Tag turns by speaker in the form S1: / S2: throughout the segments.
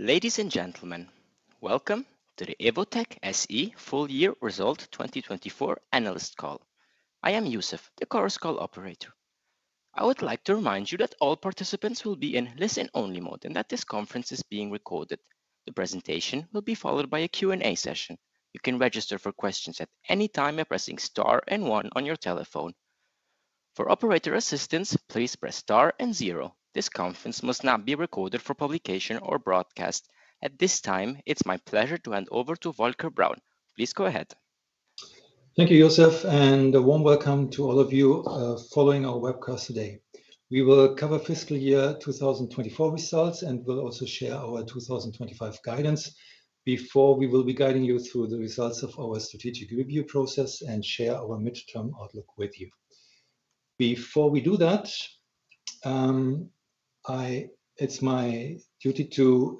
S1: Ladies and gentlemen, welcome to the Evotec SE Full-Year Result 2024 Analyst Call. I am [Joseph], the Chorus Call operator. I would like to remind you that all participants will be in listen-only mode and that this conference is being recorded. The presentation will be followed by a Q&A session. You can register for questions at any time by pressing star and one on your telephone. For operator assistance, please press star and zero. This conference must not be recorded for publication or broadcast. At this time, it's my pleasure to hand over to Volker Braun. Please go ahead.
S2: Thank you, [Joseph], and a warm welcome to all of you following our webcast today. We will cover fiscal year 2024 results and will also share our 2025 guidance before we will be guiding you through the results of our strategic review process and share our midterm outlook with you. Before we do that, it is my duty to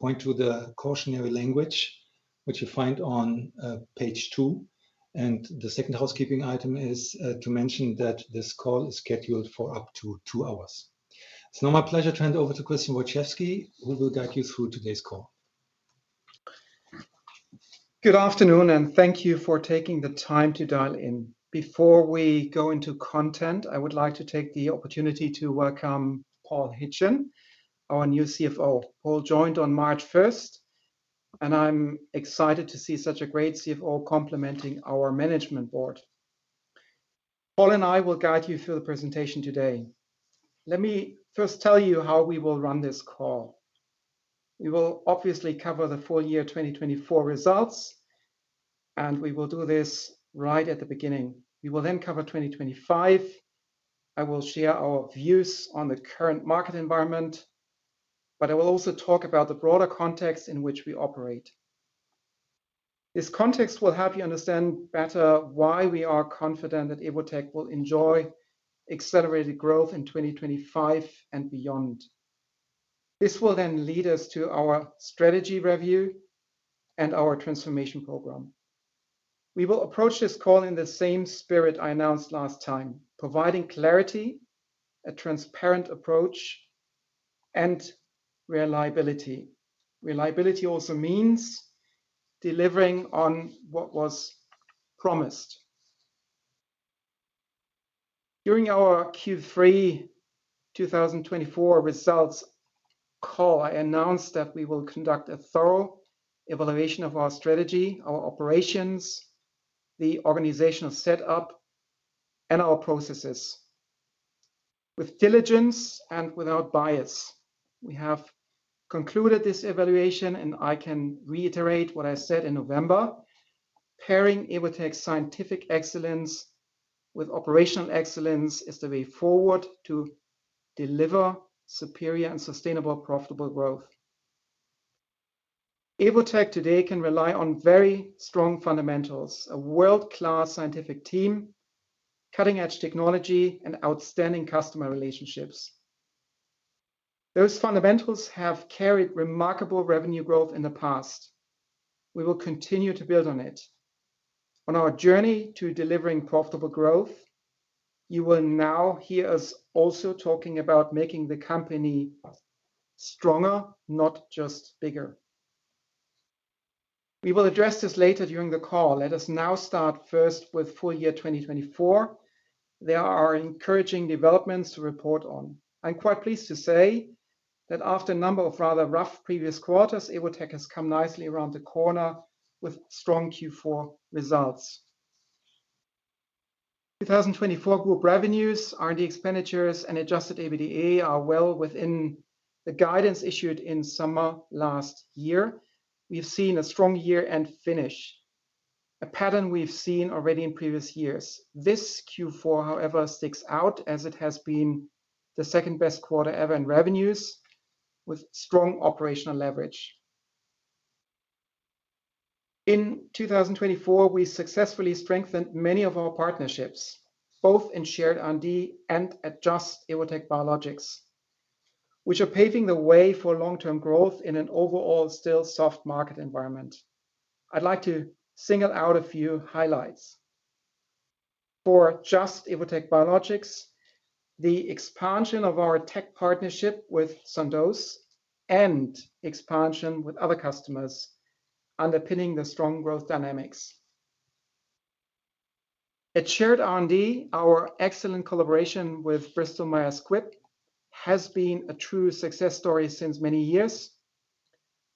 S2: point to the cautionary language, which you find on page 2. The second housekeeping item is to mention that this call is scheduled for up to two hours. It is now my pleasure to hand over to Christian Wojczewski, who will guide you through today's call.
S3: Good afternoon, and thank you for taking the time to dial in. Before we go into content, I would like to take the opportunity to welcome Paul Hitchin, our new CFO. Paul joined on March 1, and I'm excited to see such a great CFO complementing our management board. Paul and I will guide you through the presentation today. Let me first tell you how we will run this call. We will obviously cover the full-year 2024 results, and we will do this right at the beginning. We will then cover 2025. I will share our views on the current market environment, but I will also talk about the broader context in which we operate. This context will help you understand better why we are confident that Evotec will enjoy accelerated growth in 2025 and beyond. This will then lead us to our strategy review and our transformation program. We will approach this call in the same spirit I announced last time, providing clarity, a transparent approach, and reliability. Reliability also means delivering on what was promised. During our Q3 2024 results call, I announced that we will conduct a thorough evaluation of our strategy, our operations, the organizational setup, and our processes with diligence and without bias. We have concluded this evaluation, and I can reiterate what I said in November: pairing Evotec's scientific excellence with operational excellence is the way forward to deliver superior and sustainable profitable growth. Evotec today can rely on very strong fundamentals, a world-class scientific team, cutting-edge technology, and outstanding customer relationships. Those fundamentals have carried remarkable revenue growth in the past. We will continue to build on it. On our journey to delivering profitable growth, you will now hear us also talking about making the company stronger, not just bigger. We will address this later during the call. Let us now start first with full-year 2024. There are encouraging developments to report on. I'm quite pleased to say that after a number of rather rough previous quarters, Evotec has come nicely around the corner with strong Q4 results. 2024 group revenues, R&D expenditures, and adjusted EBITDA are well within the guidance issued in summer last year. We've seen a strong year-end finish, a pattern we've seen already in previous years. This Q4, however, sticks out as it has been the second-best quarter ever in revenues with strong operational leverage. In 2024, we successfully strengthened many of our partnerships, both in Shared R&D and at Just - Evotec Biologics, which are paving the way for long-term growth in an overall still soft market environment. I'd like to single out a few highlights. For Just - Evotec Biologics, the expansion of our tech partnership with Sandoz and expansion with other customers underpinning the strong growth dynamics. At Shared R&D, our excellent collaboration with Bristol Myers Squibb has been a true success story since many years.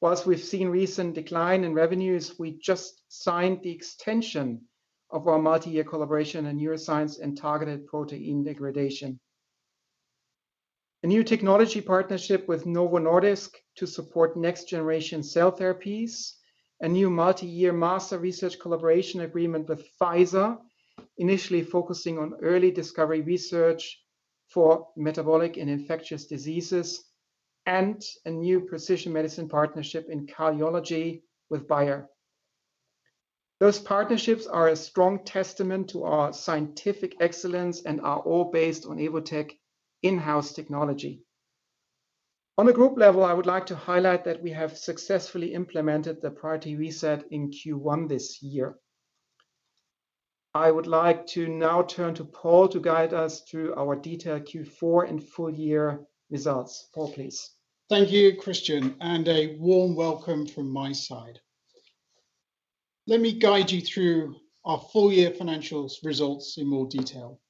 S3: Whilst we've seen a recent decline in revenues, we just signed the extension of our multi-year collaboration in neuroscience and targeted protein degradation. A new technology partnership with Novo Nordisk to support next-generation cell therapies, a new multi-year master research collaboration agreement with Pfizer, initially focusing on early discovery research for metabolic and infectious diseases, and a new precision medicine partnership in cardiology with Bayer. Those partnerships are a strong testament to our scientific excellence and are all based on Evotec in-house technology. On a group level, I would like to highlight that we have successfully implemented the Priority Reset in Q1 this year. I would like to now turn to Paul to guide us through our detailed Q4 and full-year results. Paul, please.
S4: Thank you, Christian, and a warm welcome from my side. Let me guide you through our full-year financial results in more detail.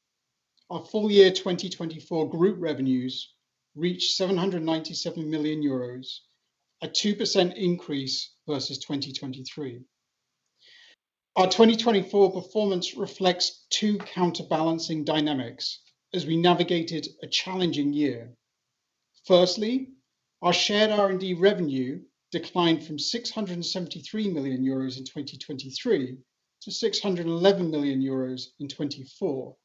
S4: Our full-year 2024 group revenues reached 797 million euros, a 2% increase versus 2023. Our 2024 performance reflects two counterbalancing dynamics as we navigated a challenging year. Firstly, our Shared R&D revenue declined from 673 million euros in 2023 to 611 million euros in 2024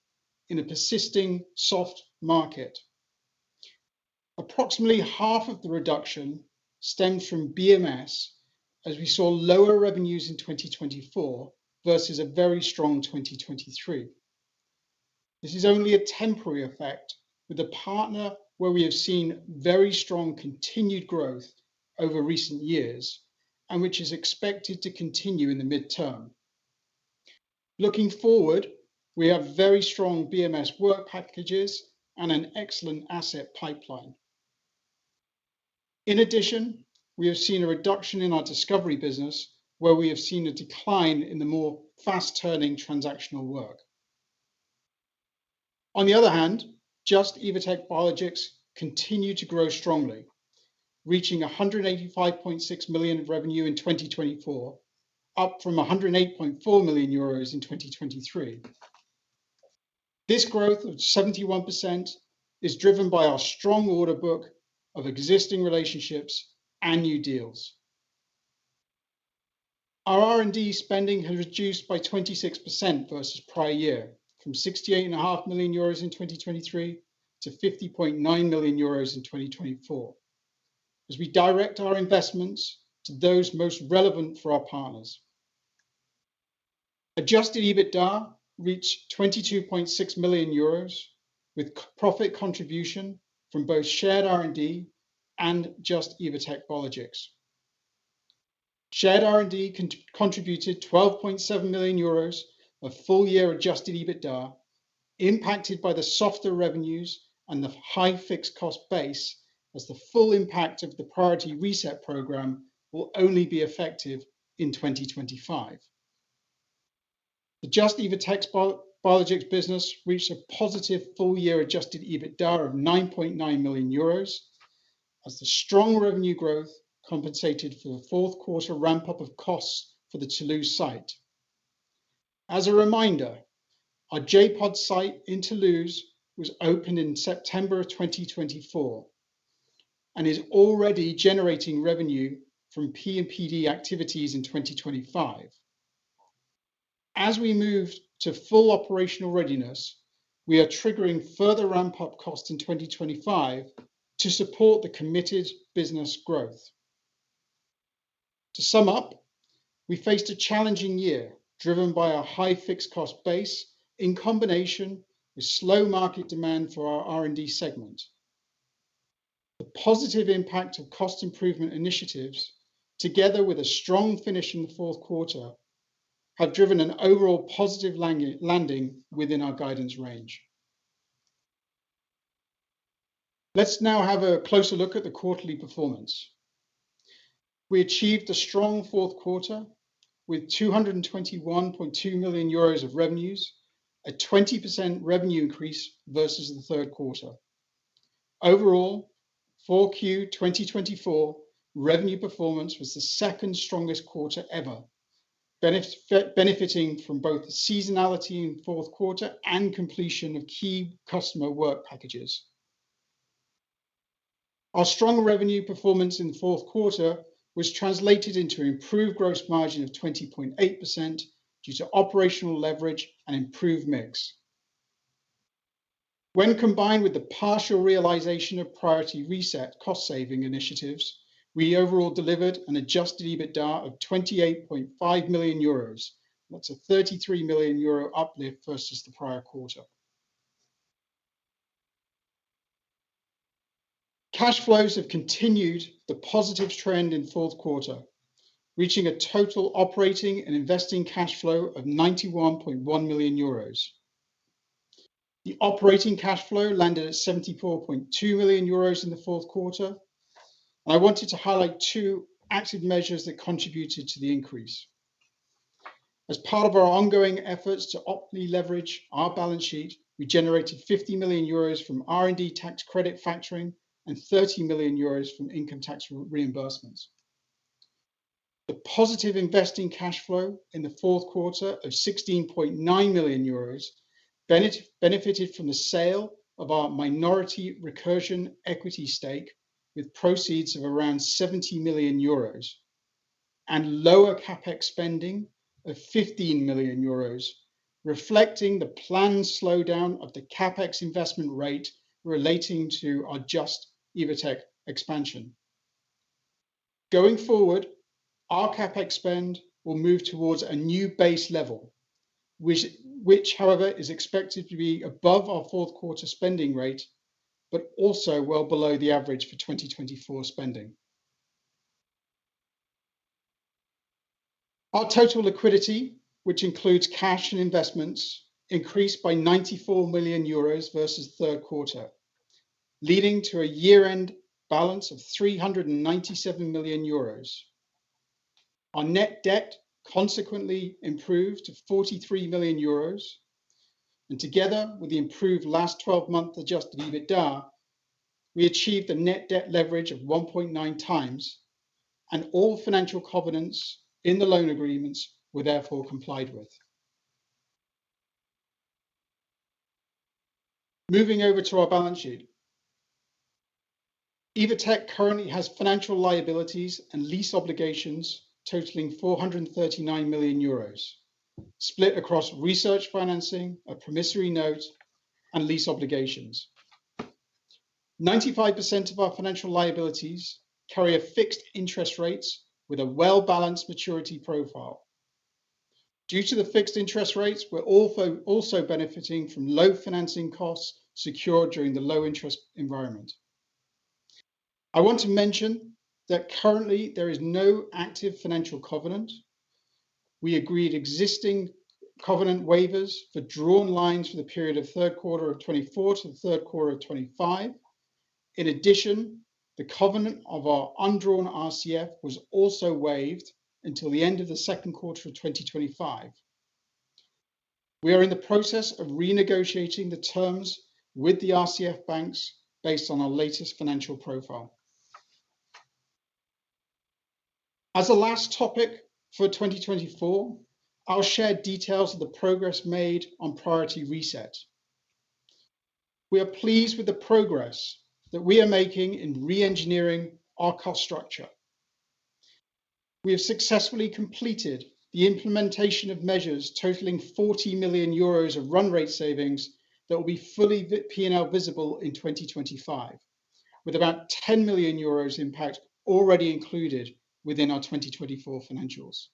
S4: in a persisting soft market. Approximately half of the reduction stems from BMS, as we saw lower revenues in 2024 versus a very strong 2023. This is only a temporary effect with a partner where we have seen very strong continued growth over recent years and which is expected to continue in the midterm. Looking forward, we have very strong BMS work packages and an excellent asset pipeline. In addition, we have seen a reduction in our discovery business, where we have seen a decline in the more fast-turning transactional work. On the other hand, Just - Evotec Biologics continued to grow strongly, reaching 185.6 million in revenue in 2024, up from 108.4 million euros in 2023. This growth of 71% is driven by our strong order book of existing relationships and new deals. Our R&D spending has reduced by 26% versus prior year, from 68.5 million euros in 2023 to 50.9 million euros in 2024, as we direct our investments to those most relevant for our partners. Adjusted EBITDA reached 22.6 million euros with profit contribution from both Shared R&D and Just - Evotec Biologics. Shared R&D contributed 12.7 million euros of full-year adjusted EBITDA, impacted by the softer revenues and the high fixed cost base, as the full impact of the Priority Reset program will only be effective in 2025. The Just - Evotec Biologics business reached a positive full-year adjusted EBITDA of 9.9 million euros, as the strong revenue growth compensated for the fourth quarter ramp-up of costs for the Toulouse site. As a reminder, our J.POD site in Toulouse was opened in September of 2024 and is already generating revenue from P&PD activities in 2025. As we move to full operational readiness, we are triggering further ramp-up costs in 2025 to support the committed business growth. To sum up, we faced a challenging year driven by our high fixed cost base in combination with slow market demand for our R&D segment. The positive impact of cost improvement initiatives, together with a strong finish in the fourth quarter, have driven an overall positive landing within our guidance range. Let's now have a closer look at the quarterly performance. We achieved a strong fourth quarter with 221.2 million euros of revenues, a 20% revenue increase versus the third quarter. Overall, 4Q 2024 revenue performance was the second strongest quarter ever, benefiting from both the seasonality in the fourth quarter and completion of key customer work packages. Our strong revenue performance in the fourth quarter was translated into an improved gross margin of 20.8% due to operational leverage and improved mix. When combined with the partial realization of Priority Reset cost-saving initiatives, we overall delivered an adjusted EBITDA of 28.5 million euros, that's a 33 million euro uplift versus the prior quarter. Cash flows have continued the positive trend in the fourth quarter, reaching a total operating and investing cash flow of 91.1 million euros. The operating cash flow landed at 74.2 million euros in the fourth quarter. I wanted to highlight two active measures that contributed to the increase. As part of our ongoing efforts to optimally leverage our balance sheet, we generated 50 million euros from R&D tax credit factoring and 30 million euros from income tax reimbursements. The positive investing cash flow in the fourth quarter of 16.9 million euros benefited from the sale of our minority Recursion equity stake with proceeds of around 70 million euros and lower CapEx spending of 15 million euros, reflecting the planned slowdown of the CapEx investment rate relating to our Just - Evotec expansion. Going forward, our CapEx spend will move towards a new base level, which, however, is expected to be above our fourth quarter spending rate, but also well below the average for 2024 spending. Our total liquidity, which includes cash and investments, increased by 94 million euros versus the third quarter, leading to a year-end balance of 397 million euros. Our net debt consequently improved to 43 million euros. Together with the improved last 12-month adjusted EBITDA, we achieved a net debt leverage of 1.9x, and all financial covenants in the loan agreements were therefore complied with. Moving over to our balance sheet, Evotec currently has financial liabilities and lease obligations totaling 439 million euros, split across research financing, a promissory note, and lease obligations. 95% of our financial liabilities carry fixed interest rates with a well-balanced maturity profile. Due to the fixed interest rates, we're also benefiting from low financing costs secured during the low-interest environment. I want to mention that currently there is no active financial covenant. We agreed existing covenant waivers for drawn lines for the period of third quarter of 2024 to the third quarter of 2025. In addition, the covenant of our undrawn RCF was also waived until the end of the second quarter of 2025. We are in the process of renegotiating the terms with the RCF banks based on our latest financial profile. As a last topic for 2024, I'll share details of the progress made on Priority Reset. We are pleased with the progress that we are making in re-engineering our cost structure. We have successfully completed the implementation of measures totaling 40 million euros of run rate savings that will be fully P&L visible in 2025, with about 10 million euros impact already included within our 2024 financials.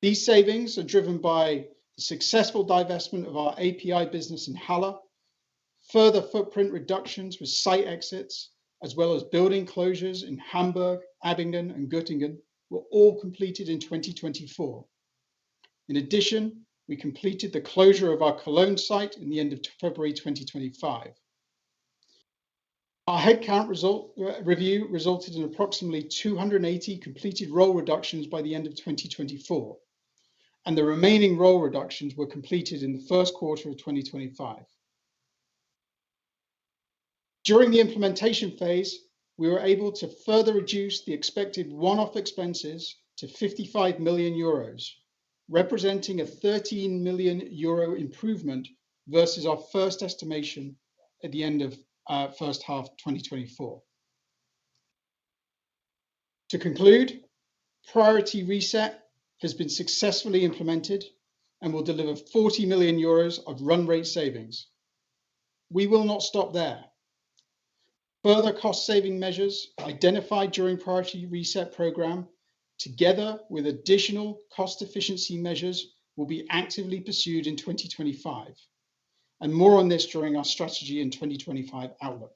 S4: These savings are driven by the successful divestment of our API business in Halle. Further footprint reductions with site exits, as well as building closures in Hamburg, Abingdon, and Göttingen, were all completed in 2024. In addition, we completed the closure of our Cologne site in the end of February 2025. Our headcount review resulted in approximately 280 completed role reductions by the end of 2024, and the remaining role reductions were completed in the first quarter of 2025. During the implementation phase, we were able to further reduce the expected one-off expenses to 55 million euros, representing a 13 million euro improvement versus our first estimation at the end of first half 2024. To conclude, Priority Reset has been successfully implemented and will deliver 40 million euros of run rate savings. We will not stop there. Further cost-saving measures identified during the Priority Reset program, together with additional cost efficiency measures, will be actively pursued in 2025. More on this during our strategy in 2025 outlook.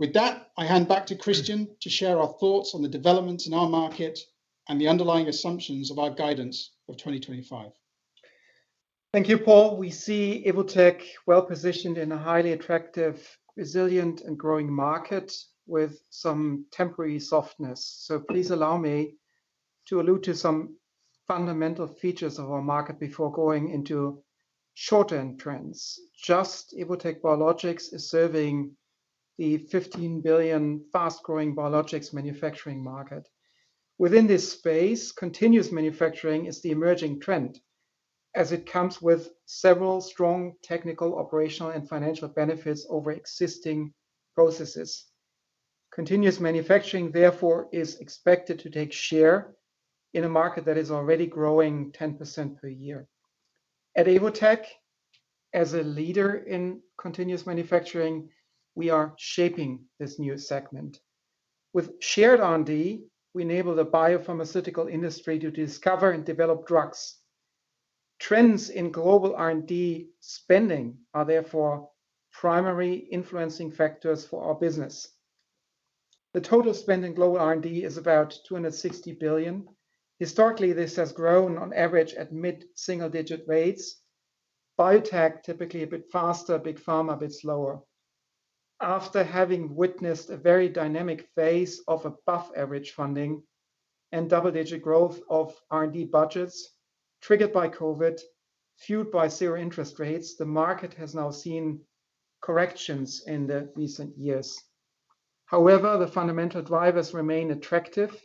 S4: With that, I hand back to Christian to share our thoughts on the developments in our market and the underlying assumptions of our guidance of 2025.
S3: Thank you, Paul. We see Evotec well positioned in a highly attractive, resilient, and growing market with some temporary softness. Please allow me to allude to some fundamental features of our market before going into short-term trends. Just - Evotec Biologics is serving the 15 billion fast-growing biologics manufacturing market. Within this space, continuous manufacturing is the emerging trend, as it comes with several strong technical, operational, and financial benefits over existing processes. Continuous manufacturing, therefore, is expected to take share in a market that is already growing 10% per year. At Evotec, as a leader in continuous manufacturing, we are shaping this new segment. With Shared R&D, we enable the biopharmaceutical industry to discover and develop drugs. Trends in global R&D spending are therefore primary influencing factors for our business. The total spend in global R&D is about 260 billion. Historically, this has grown on average at mid-single-digit rates. Biotech, typically a bit faster, big pharma a bit slower. After having witnessed a very dynamic phase of above-average funding and double-digit growth of R&D budgets triggered by COVID, fueled by zero interest rates, the market has now seen corrections in the recent years. However, the fundamental drivers remain attractive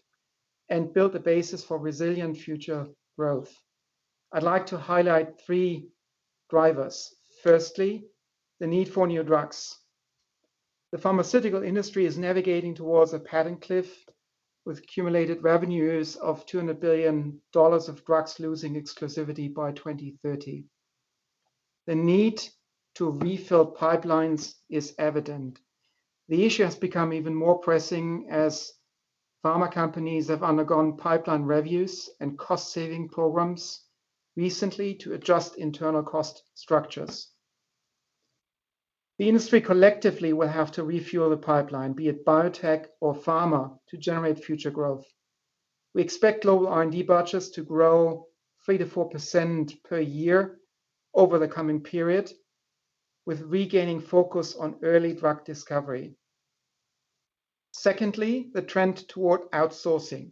S3: and build a basis for resilient future growth. I'd like to highlight three drivers. Firstly, the need for new drugs. The pharmaceutical industry is navigating towards a patent cliff, with cumulated revenues of $200 billion of drugs losing exclusivity by 2030. The need to refill pipelines is evident. The issue has become even more pressing as pharma companies have undergone pipeline reviews and cost-saving programs recently to adjust internal cost structures. The industry collectively will have to refuel the pipeline, be it biotech or pharma, to generate future growth. We expect global R&D budgets to grow 3%-4% per year over the coming period, with regaining focus on early drug discovery. Secondly, the trend toward outsourcing.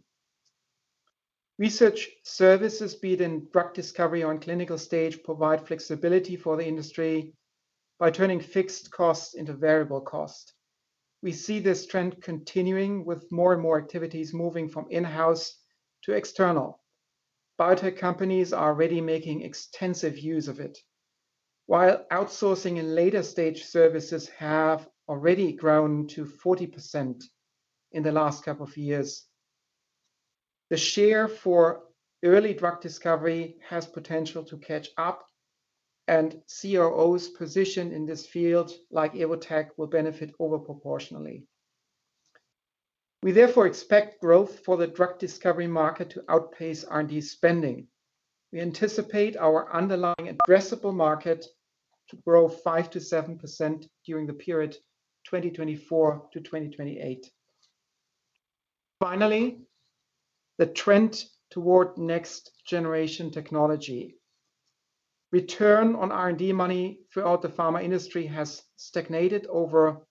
S3: Research services, be it in drug discovery or in clinical stage, provide flexibility for the industry by turning fixed costs into variable costs. We see this trend continuing, with more and more activities moving from in-house to external. Biotech companies are already making extensive use of it, while outsourcing and later-stage services have already grown to 40% in the last couple of years. The share for early drug discovery has potential to catch up, and CROs positioned in this field like Evotec will benefit overproportionally. We therefore expect growth for the drug discovery market to outpace R&D spending. We anticipate our underlying addressable market to grow 5%-7% during the period 2024-2028. Finally, the trend toward next-generation technology. Return on R&D money throughout the pharma industry has stagnated or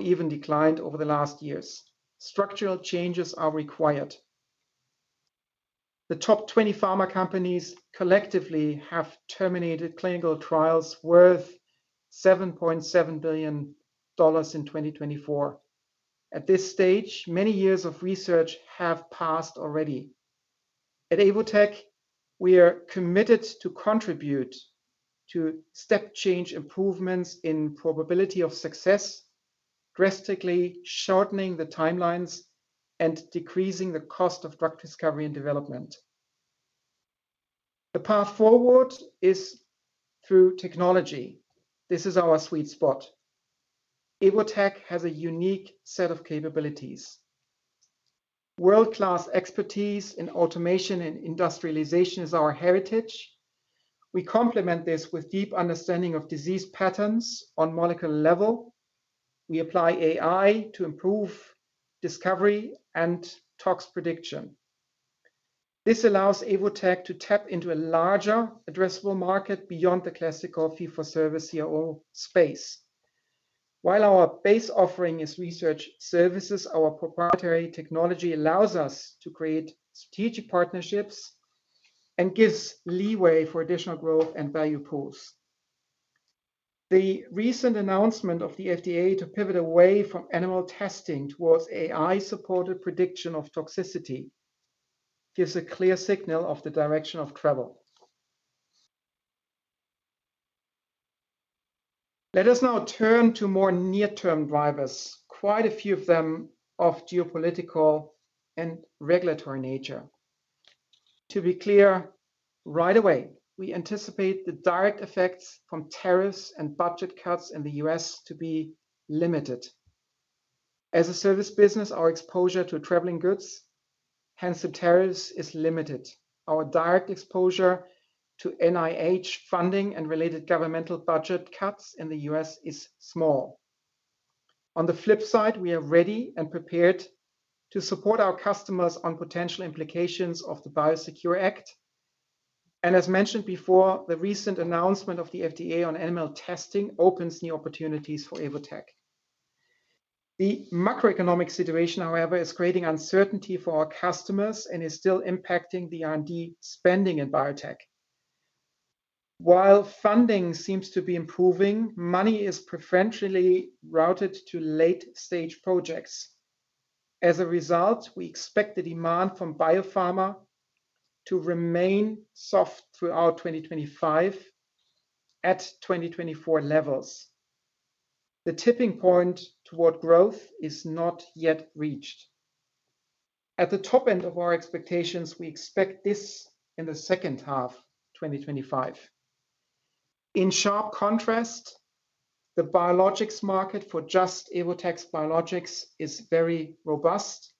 S3: even declined over the last years. Structural changes are required. The top 20 pharma companies collectively have terminated clinical trials worth $7.7 billion in 2024. At this stage, many years of research have passed already. At Evotec, we are committed to contribute to step-change improvements in probability of success, drastically shortening the timelines and decreasing the cost of drug discovery and development. The path forward is through technology. This is our sweet spot. Evotec has a unique set of capabilities. World-class expertise in automation and industrialization is our heritage. We complement this with deep understanding of disease patterns on a molecular level. We apply AI to improve discovery and tox prediction. This allows Evotec to tap into a larger addressable market beyond the classical fee-for-service CRO space. While our base offering is research services, our proprietary technology allows us to create strategic partnerships and gives leeway for additional growth and value pools. The recent announcement of the FDA to pivot away from animal testing towards AI-supported prediction of toxicity gives a clear signal of the direction of travel. Let us now turn to more near-term drivers, quite a few of them of geopolitical and regulatory nature. To be clear, right away, we anticipate the direct effects from tariffs and budget cuts in the U.S. to be limited. As a service business, our exposure to traveling goods, hence the tariffs, is limited. Our direct exposure to NIH funding and related governmental budget cuts in the U.S. is small. On the flip side, we are ready and prepared to support our customers on potential implications of the Biosecure Act. As mentioned before, the recent announcement of the FDA on animal testing opens new opportunities for Evotec. The macroeconomic situation, however, is creating uncertainty for our customers and is still impacting the R&D spending in biotech. While funding seems to be improving, money is preferentially routed to late-stage projects. As a result, we expect the demand from biopharma to remain soft throughout 2025 at 2024 levels. The tipping point toward growth is not yet reached. At the top end of our expectations, we expect this in the second half of 2025. In sharp contrast, the biologics market for Just - Evotec Biologics is very robust,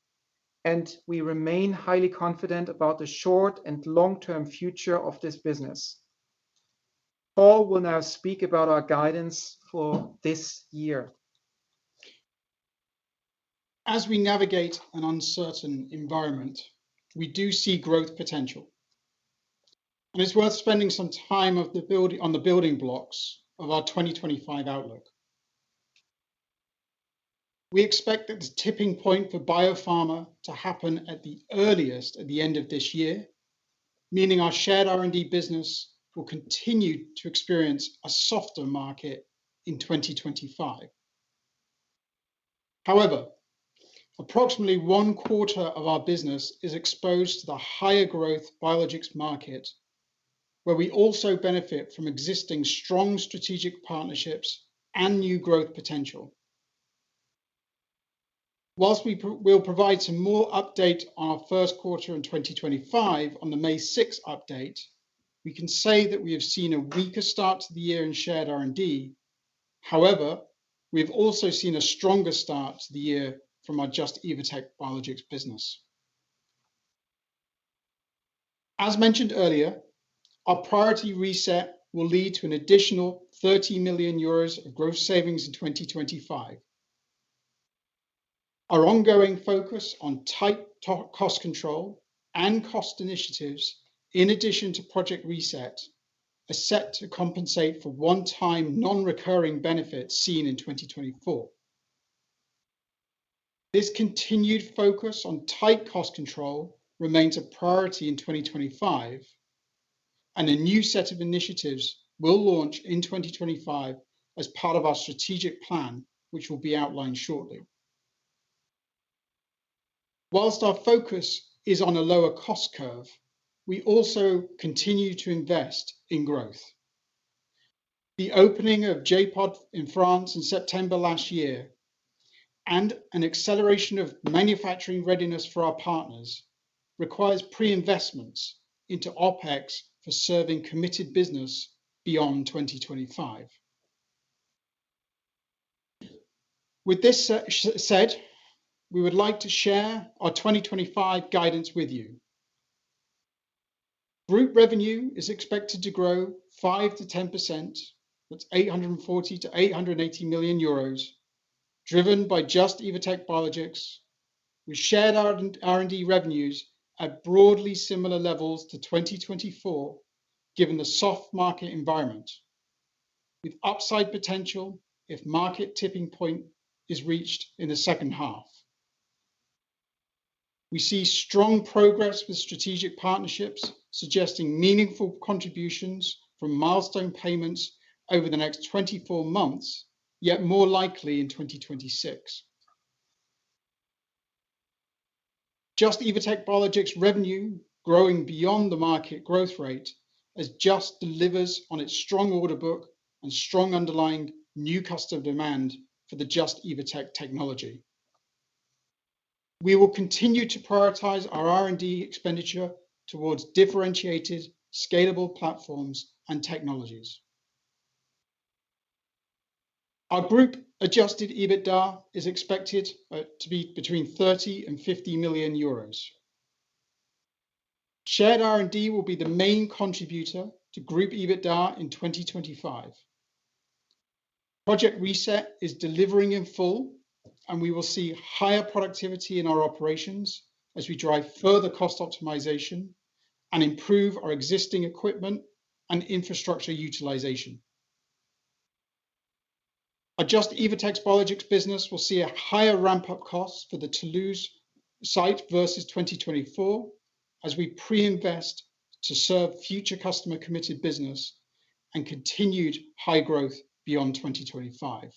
S3: and we remain highly confident about the short and long-term future of this business. Paul will now speak about our guidance for this year.
S4: As we navigate an uncertain environment, we do see growth potential. It is worth spending some time on the building blocks of our 2025 outlook. We expect that the tipping point for biopharma to happen at the earliest at the end of this year, meaning our Shared R&D business will continue to experience a softer market in 2025. However, approximately one quarter of our business is exposed to the higher growth biologics market, where we also benefit from existing strong strategic partnerships and new growth potential. Whilst we will provide some more updates on our first quarter in 2025 on the May 6 update, we can say that we have seen a weaker start to the year in Shared R&D. However, we have also seen a stronger start to the year from our Just - Evotec Biologics business. As mentioned earlier, our Priority Reset will lead to an additional 30 million euros of growth savings in 2025. Our ongoing focus on tight cost control and cost initiatives, in addition to project Reset, is set to compensate for one-time non-recurring benefits seen in 2024. This continued focus on tight cost control remains a priority in 2025, and a new set of initiatives will launch in 2025 as part of our strategic plan, which will be outlined shortly. Whilst our focus is on a lower cost curve, we also continue to invest in growth. The opening of J.POD in France in September last year and an acceleration of manufacturing readiness for our partners requires pre-investments into OpEx for serving committed business beyond 2025. With this said, we would like to share our 2025 guidance with you. Group revenue is expected to grow 5%-10%. That's 840 million-880 million euros, driven by Just - Evotec Biologics. We Shared R&D revenues at broadly similar levels to 2024, given the soft market environment, with upside potential if market tipping point is reached in the second half. We see strong progress with strategic partnerships, suggesting meaningful contributions from milestone payments over the next 24 months, yet more likely in 2026. Just - Evotec Biologics revenue growing beyond the market growth rate as Just delivers on its strong order book and strong underlying new customer demand for the Just - Evotec technology. We will continue to prioritize our R&D expenditure towards differentiated, scalable platforms and technologies. Our group-adjusted EBITDA is expected to be between 30 million and 50 million euros. Shared R&D will be the main contributor to group EBITDA in 2025. Project Reset is delivering in full, and we will see higher productivity in our operations as we drive further cost optimization and improve our existing equipment and infrastructure utilization. Our Just - Evotec Biologics business will see a higher ramp-up cost for the Toulouse site versus 2024, as we pre-invest to serve future customer-committed business and continued high growth beyond 2025.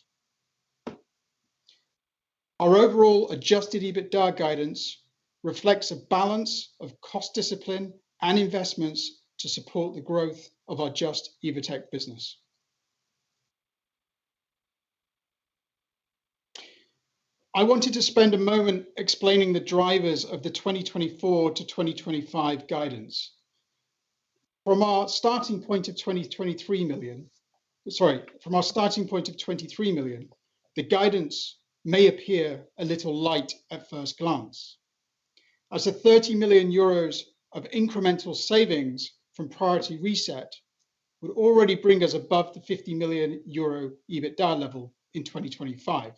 S4: Our overall adjusted EBITDA guidance reflects a balance of cost discipline and investments to support the growth of our Just - Evotec business. I wanted to spend a moment explaining the drivers of the 2024-2025 guidance. From our starting point of 23 million, sorry, from our starting point of 23 million, the guidance may appear a little light at first glance, as the 30 million euros of incremental savings from Priority Reset would already bring us above the 50 million euro EBITDA level in 2025.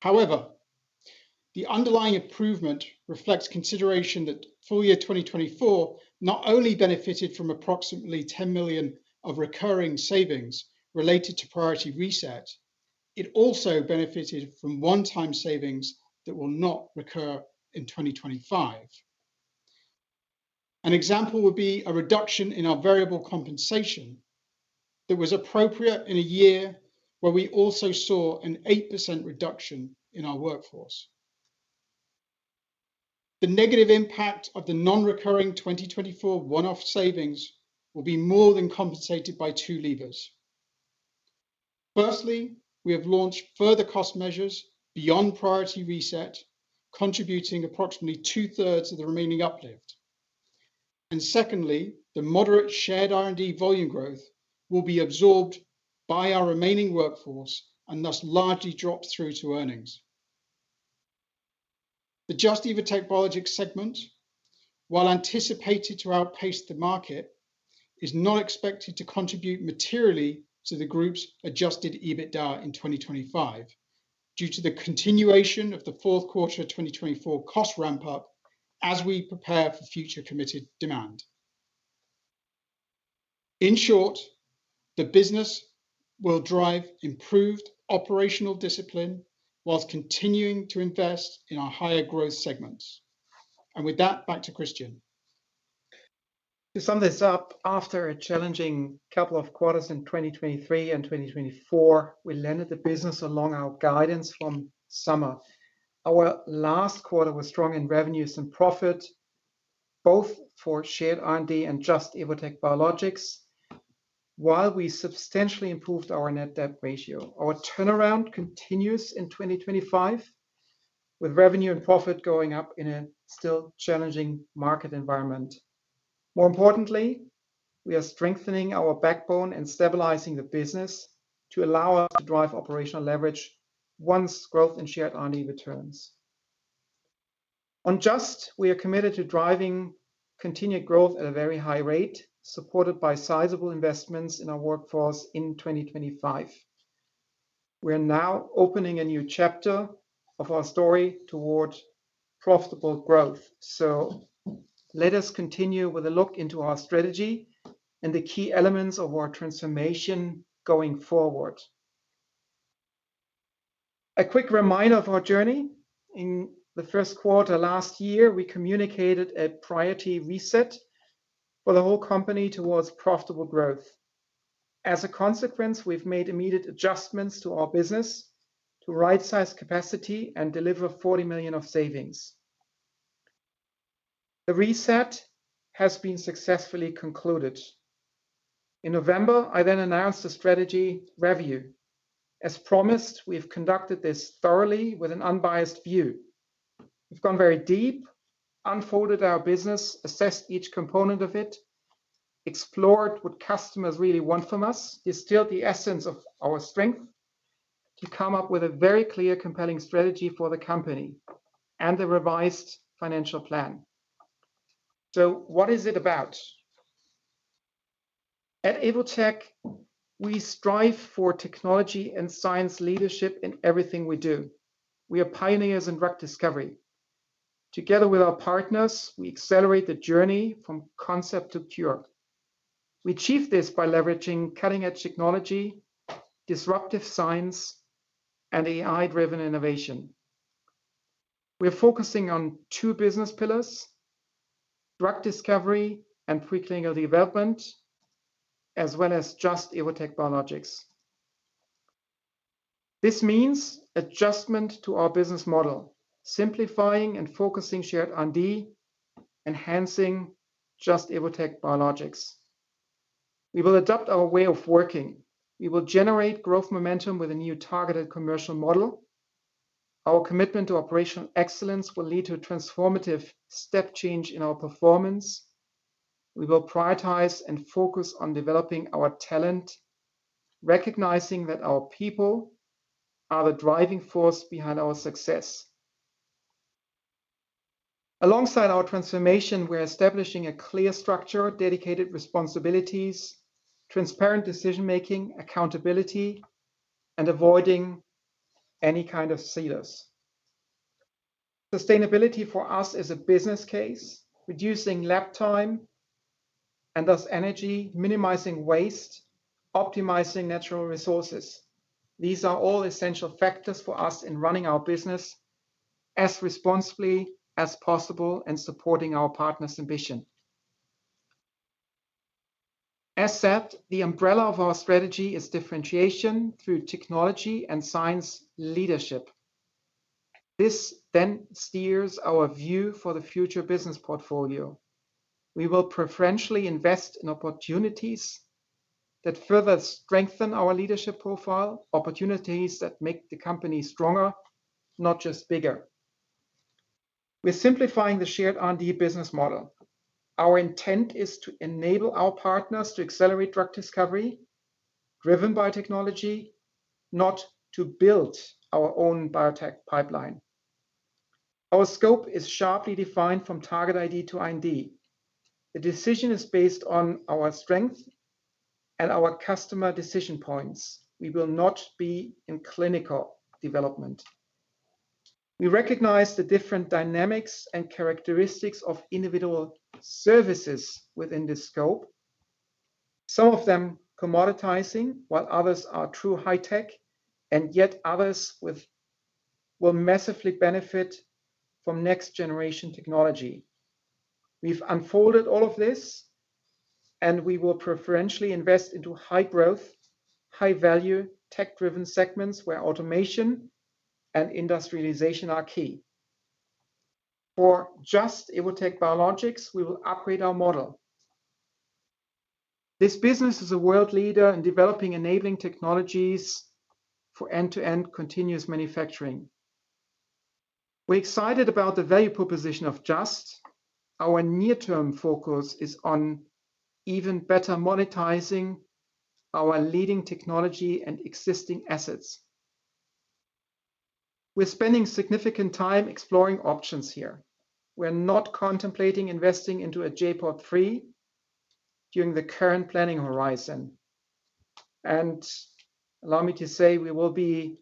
S4: However, the underlying improvement reflects consideration that full-year 2024 not only benefited from approximately 10 million of recurring savings related to Priority Reset, it also benefited from one-time savings that will not recur in 2025. An example would be a reduction in our variable compensation that was appropriate in a year where we also saw an 8% reduction in our workforce. The negative impact of the non-recurring 2024 one-off savings will be more than compensated by two levers. Firstly, we have launched further cost measures beyond Priority Reset, contributing approximately two-thirds of the remaining uplift. Secondly, the moderate Shared R&D volume growth will be absorbed by our remaining workforce and thus largely drop through to earnings. The Just - Evotec Biologics segment, while anticipated to outpace the market, is not expected to contribute materially to the group's adjusted EBITDA in 2025, due to the continuation of the fourth quarter 2024 cost ramp-up as we prepare for future committed demand. In short, the business will drive improved operational discipline whilst continuing to invest in our higher growth segments. With that, back to Christian.
S3: To sum this up, after a challenging couple of quarters in 2023 and 2024, we landed the business along our guidance from summer. Our last quarter was strong in revenues and profit, both for Shared R&D and Just - Evotec Biologics, while we substantially improved our net debt ratio. Our turnaround continues in 2025, with revenue and profit going up in a still challenging market environment. More importantly, we are strengthening our backbone and stabilizing the business to allow us to drive operational leverage once growth in Shared R&D returns. On Just, we are committed to driving continued growth at a very high rate, supported by sizable investments in our workforce in 2025. We are now opening a new chapter of our story toward profitable growth. Let us continue with a look into our strategy and the key elements of our transformation going forward. A quick reminder of our journey: in the first quarter last year, we communicated a Priority Reset for the whole company towards profitable growth. As a consequence, we have made immediate adjustments to our business to right-size capacity and deliver 40 million of savings. The Reset has been successfully concluded. In November, I then announced the strategy revenue. As promised, we have conducted this thoroughly with an unbiased view. We have gone very deep, unfolded our business, assessed each component of it, explored what customers really want from us. This is still the essence of our strength: to come up with a very clear, compelling strategy for the company and the revised financial plan. What is it about? At Evotec, we strive for technology and science leadership in everything we do. We are pioneers in drug discovery. Together with our partners, we accelerate the journey from concept to cure. We achieve this by leveraging cutting-edge technology, disruptive science, and AI-driven innovation. We are focusing on two business pillars: drug discovery and preclinical development, as well as Just - Evotec Biologics. This means adjustment to our business model, simplifying and focusing Shared R&D, enhancing Just - Evotec Biologics. We will adopt our way of working. We will generate growth momentum with a new targeted commercial model. Our commitment to operational excellence will lead to a transformative step change in our performance. We will prioritize and focus on developing our talent, recognizing that our people are the driving force behind our success. Alongside our transformation, we are establishing a clear structure, dedicated responsibilities, transparent decision-making, accountability, and avoiding any kind of silos. Sustainability for us is a business case, reducing lap time and thus energy, minimizing waste, optimizing natural resources. These are all essential factors for us in running our business as responsibly as possible and supporting our partners' ambition. As said, the umbrella of our strategy is differentiation through technology and science leadership. This then steers our view for the future business portfolio. We will preferentially invest in opportunities that further strengthen our leadership profile, opportunities that make the company stronger, not just bigger. We're simplifying the Shared R&D business model. Our intent is to enable our partners to accelerate drug discovery driven by technology, not to build our own biotech pipeline. Our scope is sharply defined from target ID to IND. The decision is based on our strength and our customer decision points. We will not be in clinical development. We recognize the different dynamics and characteristics of individual services within this scope, some of them commoditizing, while others are true high-tech, and yet others will massively benefit from next-generation technology. We have unfolded all of this, and we will preferentially invest into high-growth, high-value, tech-driven segments where automation and industrialization are key. For Just - Evotec Biologics, we will upgrade our model. This business is a world leader in developing enabling technologies for end-to-end continuous manufacturing. We are excited about the value proposition of Just. Our near-term focus is on even better monetizing our leading technology and existing assets. We are spending significant time exploring options here. We are not contemplating investing into a J.POD three during the current planning horizon. Allow me to say we will be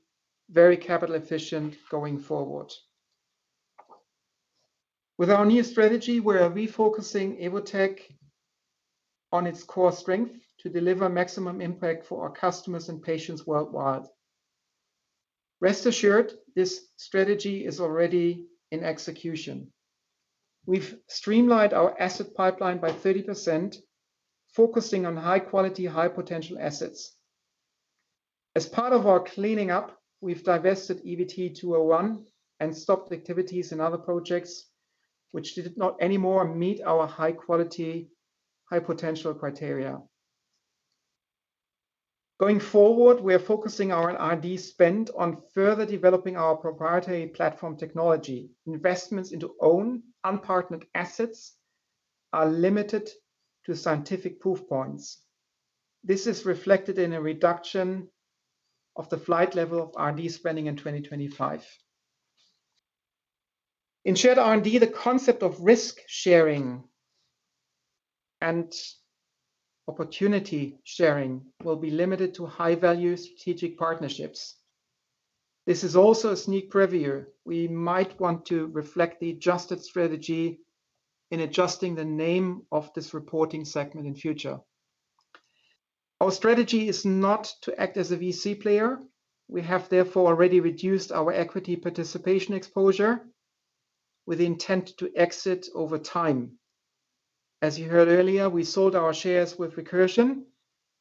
S3: very capital-efficient going forward. With our new strategy, we are refocusing Evotec on its core strength to deliver maximum impact for our customers and patients worldwide. Rest assured, this strategy is already in execution. We've streamlined our asset pipeline by 30%, focusing on high-quality, high-potential assets. As part of our cleaning up, we've divested EVT 201 and stopped activities in other projects which did not anymore meet our high-quality, high-potential criteria. Going forward, we are focusing our R&D spend on further developing our proprietary platform technology. Investments into owned unpartnered assets are limited to scientific proof points. This is reflected in a reduction of the flight level of R&D spending in 2025. In Shared R&D, the concept of risk sharing and opportunity sharing will be limited to high-value strategic partnerships. This is also a sneak preview. We might want to reflect the adjusted strategy in adjusting the name of this reporting segment in future. Our strategy is not to act as a VC player. We have therefore already reduced our equity participation exposure with the intent to exit over time. As you heard earlier, we sold our shares with Recursion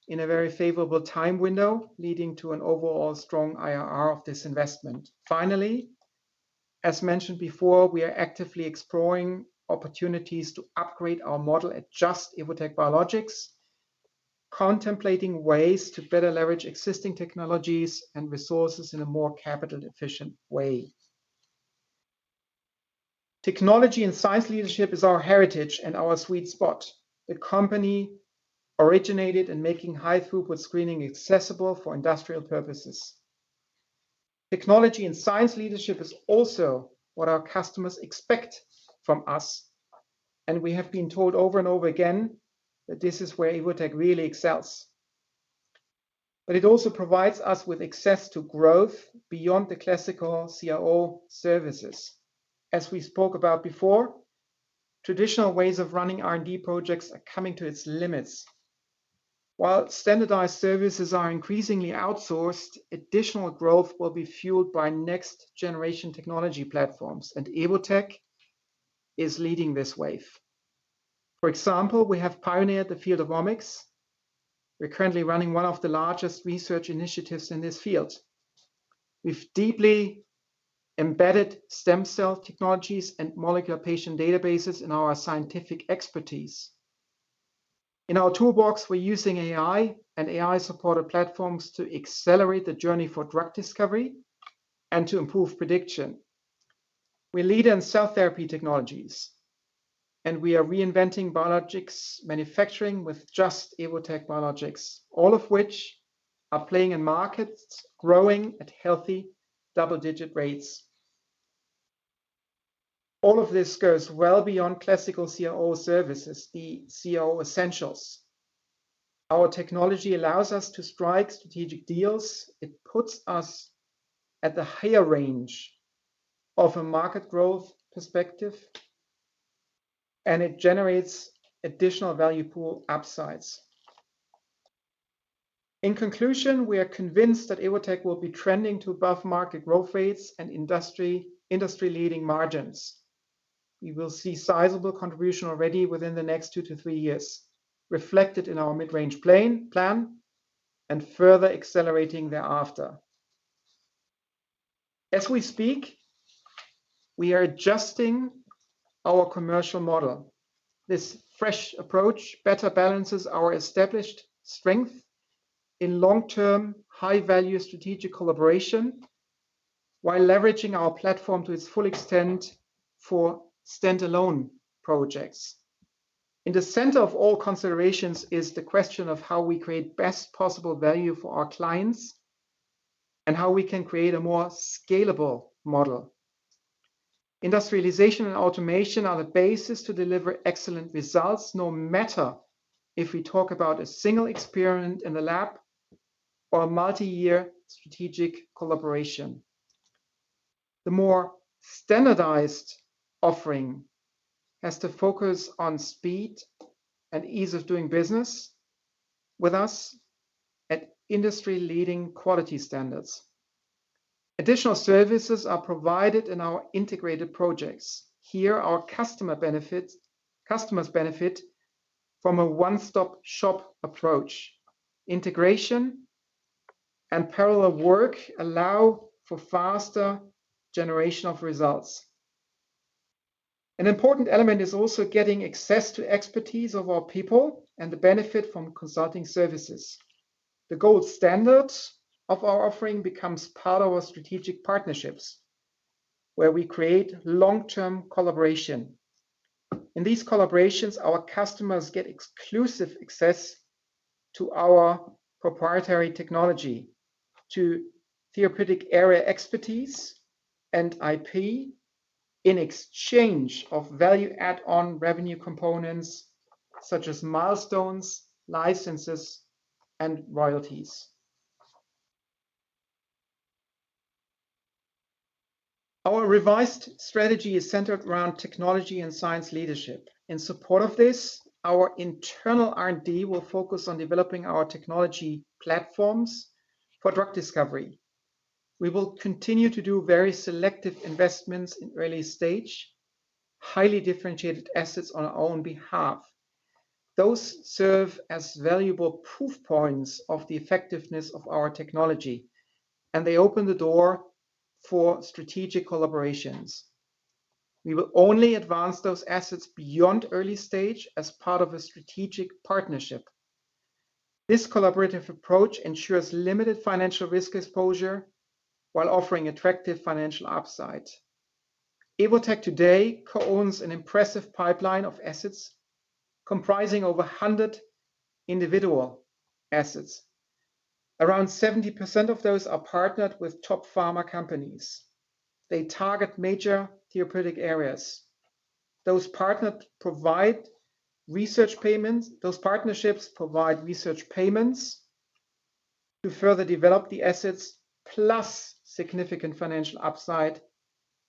S3: in a very favorable time window, leading to an overall strong IRR of this investment. Finally, as mentioned before, we are actively exploring opportunities to upgrade our model at Just - Evotec Biologics, contemplating ways to better leverage existing technologies and resources in a more capital-efficient way. Technology and science leadership is our heritage and our sweet spot. The company originated in making high-throughput screening accessible for industrial purposes. Technology and science leadership is also what our customers expect from us, and we have been told over and over again that this is where Evotec really excels. It also provides us with access to growth beyond the classical CRO services. As we spoke about before, traditional ways of running R&D projects are coming to its limits. While standardized services are increasingly outsourced, additional growth will be fueled by next-generation technology platforms, and Evotec is leading this wave. For example, we have pioneered the field of omics. We're currently running one of the largest research initiatives in this field. We've deeply embedded stem cell technologies and molecular patient databases in our scientific expertise. In our toolbox, we're using AI and AI-supported platforms to accelerate the journey for drug discovery and to improve prediction. We lead in cell therapy technologies, and we are reinventing biologics manufacturing with Just - Evotec Biologics, all of which are playing in markets growing at healthy double-digit rates. All of this goes well beyond classical CRO services, the CRO essentials. Our technology allows us to strike strategic deals. It puts us at the higher range of a market growth perspective, and it generates additional value pool upsides. In conclusion, we are convinced that Evotec will be trending to above-market growth rates and industry-leading margins. We will see sizable contribution already within the next two to three years, reflected in our mid-range plan and further accelerating thereafter. As we speak, we are adjusting our commercial model. This fresh approach better balances our established strength in long-term high-value strategic collaboration while leveraging our platform to its full extent for standalone projects. In the center of all considerations is the question of how we create best possible value for our clients and how we can create a more scalable model. Industrialization and automation are the basis to deliver excellent results, no matter if we talk about a single experiment in the lab or a multi-year strategic collaboration. The more standardized offering has to focus on speed and ease of doing business with us at industry-leading quality standards. Additional services are provided in our integrated projects. Here, our customers benefit from a one-stop-shop approach. Integration and parallel work allow for faster generation of results. An important element is also getting access to expertise of our people and the benefit from consulting services. The gold standard of our offering becomes part of our strategic partnerships, where we create long-term collaboration. In these collaborations, our customers get exclusive access to our proprietary technology, to theoretical area expertise and IP in exchange for value-add-on revenue components such as milestones, licenses, and royalties. Our revised strategy is centered around technology and science leadership. In support of this, our internal R&D will focus on developing our technology platforms for drug discovery. We will continue to do very selective investments in early-stage, highly differentiated assets on our own behalf. Those serve as valuable proof points of the effectiveness of our technology, and they open the door for strategic collaborations. We will only advance those assets beyond early-stage as part of a strategic partnership. This collaborative approach ensures limited financial risk exposure while offering attractive financial upside. Evotec today co-owns an impressive pipeline of assets comprising over 100 individual assets. Around 70% of those are partnered with top pharma companies. They target major therapeutic areas. Those partners provide research payments. Those partnerships provide research payments to further develop the assets, plus significant financial upside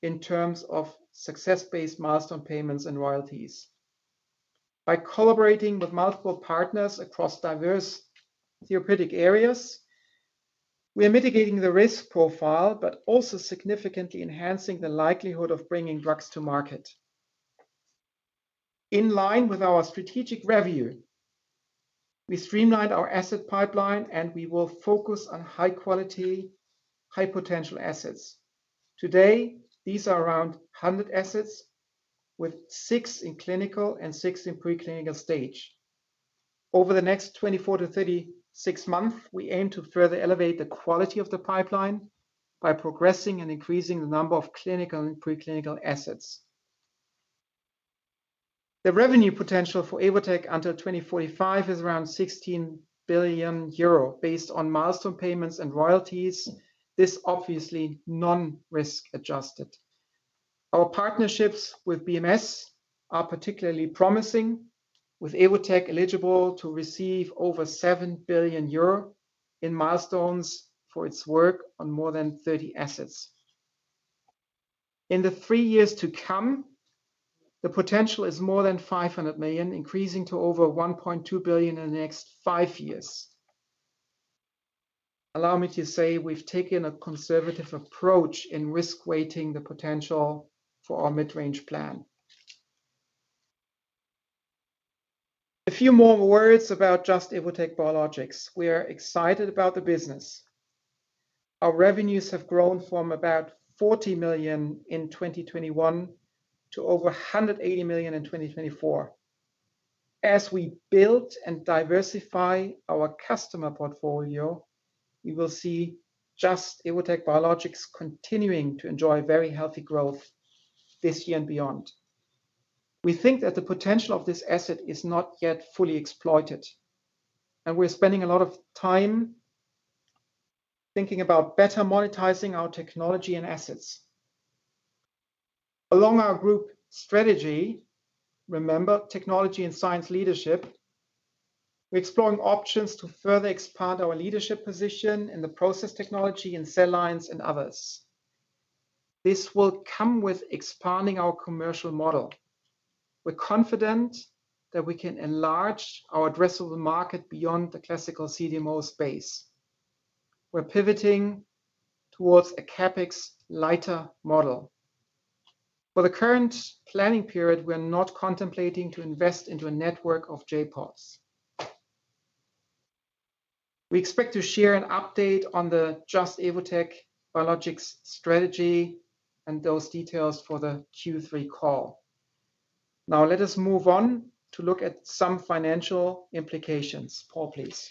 S3: in terms of success-based milestone payments and royalties. By collaborating with multiple partners across diverse therapeutic areas, we are mitigating the risk profile but also significantly enhancing the likelihood of bringing drugs to market. In line with our strategic revenue, we streamlined our asset pipeline, and we will focus on high-quality, high-potential assets. Today, these are around 100 assets, with six in clinical and six in preclinical stage. Over the next 24 months-36 months, we aim to further elevate the quality of the pipeline by progressing and increasing the number of clinical and preclinical assets. The revenue potential for Evotec until 2045 is around 16 billion euro, based on milestone payments and royalties, this obviously non-risk adjusted. Our partnerships with BMS are particularly promising, with Evotec eligible to receive over 7 billion euro in milestones for its work on more than 30 assets. In the three years to come, the potential is more than 500 million, increasing to over 1.2 billion in the next five years. Allow me to say we've taken a conservative approach in risk-weighting the potential for our mid-range plan. A few more words about Just - Evotec Biologics. We are excited about the business. Our revenues have grown from about 40 million in 2021 to over 180 million in 2024. As we build and diversify our customer portfolio, we will see Just - Evotec Biologics continuing to enjoy very healthy growth this year and beyond. We think that the potential of this asset is not yet fully exploited, and we're spending a lot of time thinking about better monetizing our technology and assets. Along our group strategy, remember technology and science leadership, we're exploring options to further expand our leadership position in the process technology and cell lines and others. This will come with expanding our commercial model. We're confident that we can enlarge our addressable market beyond the classical CDMO space. We're pivoting towards a CapEx lighter model. For the current planning period, we're not contemplating to invest into a network of J.PODs. We expect to share an update on the Just - Evotec Biologics strategy and those details for the Q3 call. Now, let us move on to look at some financial implications. Paul, please.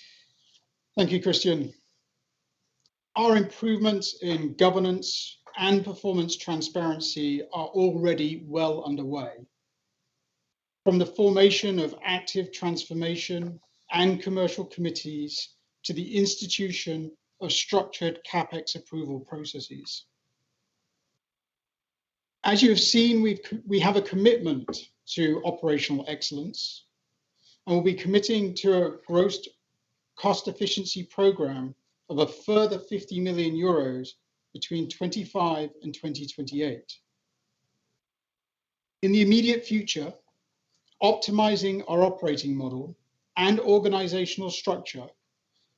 S4: Thank you, Christian. Our improvements in governance and performance transparency are already well underway, from the formation of active transformation and commercial committees to the institution of structured CapEx approval processes. As you have seen, we have a commitment to operational excellence and will be committing to a gross cost efficiency program of a further 50 million euros between 2025 and 2028. In the immediate future, optimizing our operating model and organizational structure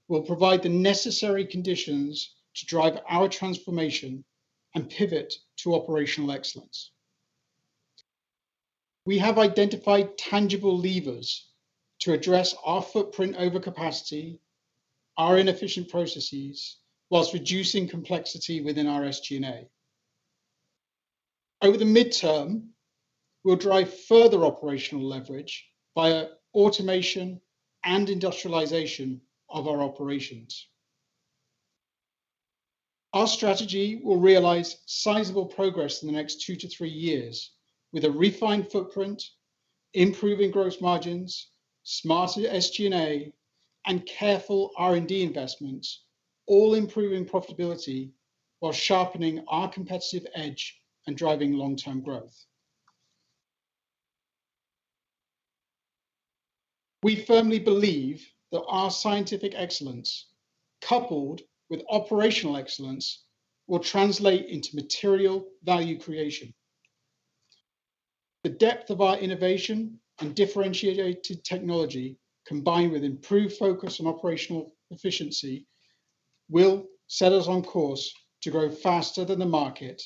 S4: will provide the necessary conditions to drive our transformation and pivot to operational excellence. We have identified tangible levers to address our footprint over capacity, our inefficient processes, whilst reducing complexity within our SG&A. Over the midterm, we will drive further operational leverage via automation and industrialization of our operations. Our strategy will realize sizable progress in the next two to three years with a refined footprint, improving gross margins, smarter SG&A, and careful R&D investments, all improving profitability while sharpening our competitive edge and driving long-term growth. We firmly believe that our scientific excellence, coupled with operational excellence, will translate into material value creation. The depth of our innovation and differentiated technology, combined with improved focus on operational efficiency, will set us on course to grow faster than the market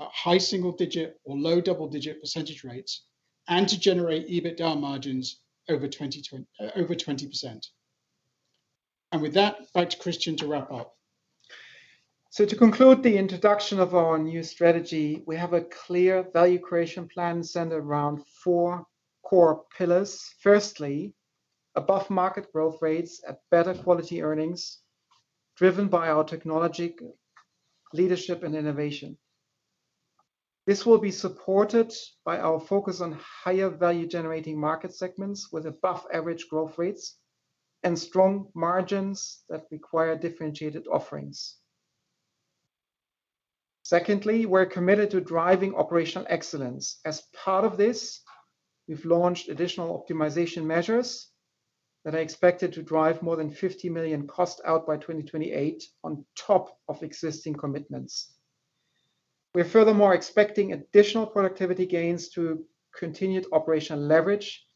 S4: at high single-digit or low double-digit percentage rates and to generate EBITDA margins over 20%. With that, back to Christian to wrap up.
S3: To conclude the introduction of our new strategy, we have a clear value creation plan centered around four core pillars. Firstly, above-market growth rates at better quality earnings driven by our technology, leadership, and innovation. This will be supported by our focus on higher value-generating market segments with above-average growth rates and strong margins that require differentiated offerings. Secondly, we're committed to driving operational excellence. As part of this, we've launched additional optimization measures that are expected to drive more than 50 million cost out by 2028 on top of existing commitments. We're furthermore expecting additional productivity gains to continued operational leverage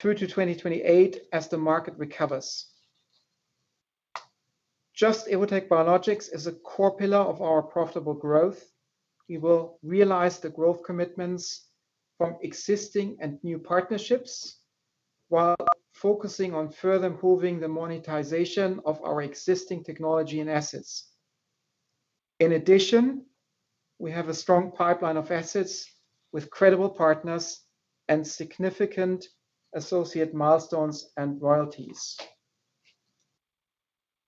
S3: through to 2028 as the market recovers. Just - Evotec Biologics is a core pillar of our profitable growth. We will realize the growth commitments from existing and new partnerships while focusing on further improving the monetization of our existing technology and assets. In addition, we have a strong pipeline of assets with credible partners and significant associate milestones and royalties.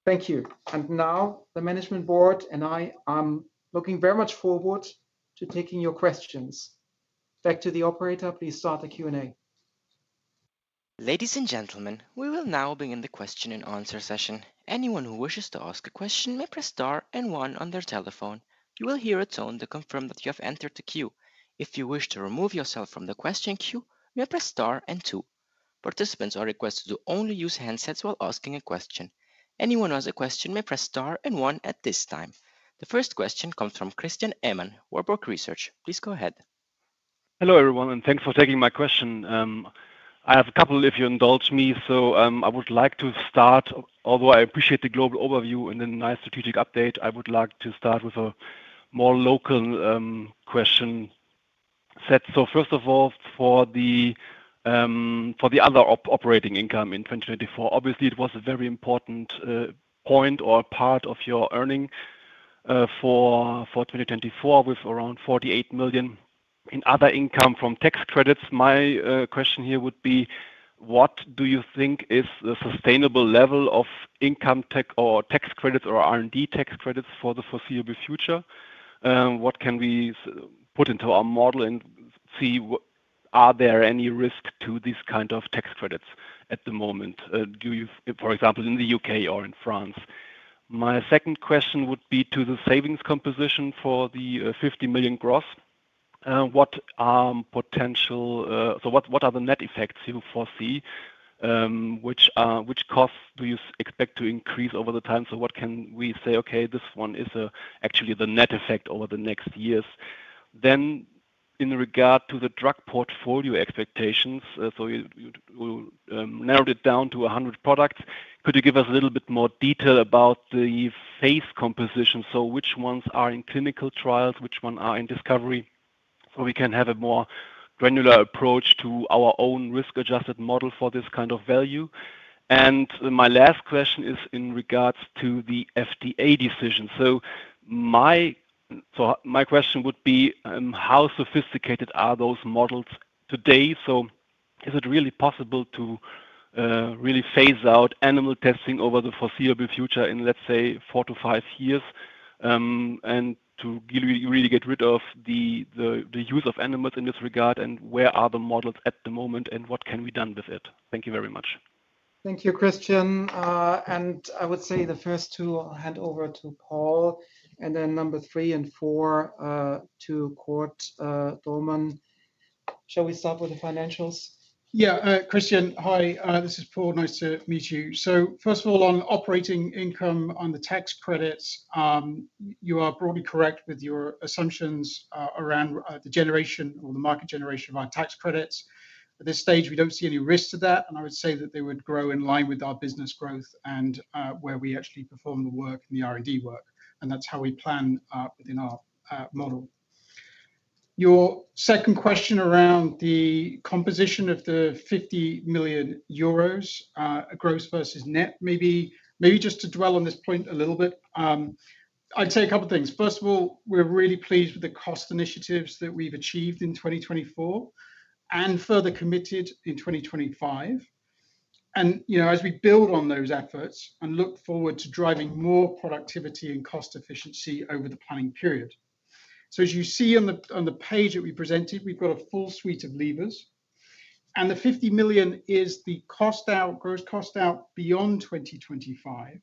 S3: Thank you. The management board and I are looking very much forward to taking your questions. Back to the operator. Please start the Q&A.
S1: Ladies and gentlemen, we will now begin the question and answer session. Anyone who wishes to ask a question may press star and one on their telephone. You will hear a tone to confirm that you have entered the queue. If you wish to remove yourself from the question queue, you may press star and two. Participants are requested to only use handsets while asking a question. Anyone who has a question may press star and one at this time. The first question comes from Christian Ehmann, Warburg Research. Please go ahead.
S5: Hello everyone, and thanks for taking my question. I have a couple if you indulge me. I would like to start, although I appreciate the global overview and the nice strategic update, I would like to start with a more local question set. First of all, for the other operating income in 2024, obviously, it was a very important point or part of your earning for 2024 with around 48 million in other income from tax credits. My question here would be, what do you think is the sustainable level of income tax or tax credits or R&D tax credits for the foreseeable future? What can we put into our model and see are there any risks to these kinds of tax credits at the moment? For example, in the U.K. or in France. My second question would be to the savings composition for the 50 million gross. What are potential, so what are the net effects you foresee? Which costs do you expect to increase over the time? What can we say, okay, this one is actually the net effect over the next years. In regard to the drug portfolio expectations, you narrowed it down to 100 products. Could you give us a little bit more detail about the phase composition? Which ones are in clinical trials? Which ones are in discovery? We can have a more granular approach to our own risk-adjusted model for this kind of value. My last question is in regards to the FDA decision. My question would be, how sophisticated are those models today? Is it really possible to really phase out animal testing over the foreseeable future in, let's say, four to five years and to really get rid of the use of animals in this regard? Where are the models at the moment and what can be done with it? Thank you very much.
S3: Thank you, Christian. I would say the first two hand over to Paul, and then number three and four to Cord Dohrmann. Shall we start with the financials?
S4: Yeah, Christian, hi. This is Paul. Nice to meet you. First of all, on operating income on the tax credits, you are broadly correct with your assumptions around the generation or the market generation of our tax credits. At this stage, we do not see any risks to that, and I would say that they would grow in line with our business growth and where we actually perform the work and the R&D work. That is how we plan within our model. Your second question around the composition of the 50 million euros, gross versus net, maybe just to dwell on this point a little bit, I would say a couple of things. First of all, we are really pleased with the cost initiatives that we have achieved in 2024 and further committed in 2025. As we build on those efforts and look forward to driving more productivity and cost efficiency over the planning period. As you see on the page that we presented, we have a full suite of levers. The 50 million is the cost out, gross cost out beyond 2025.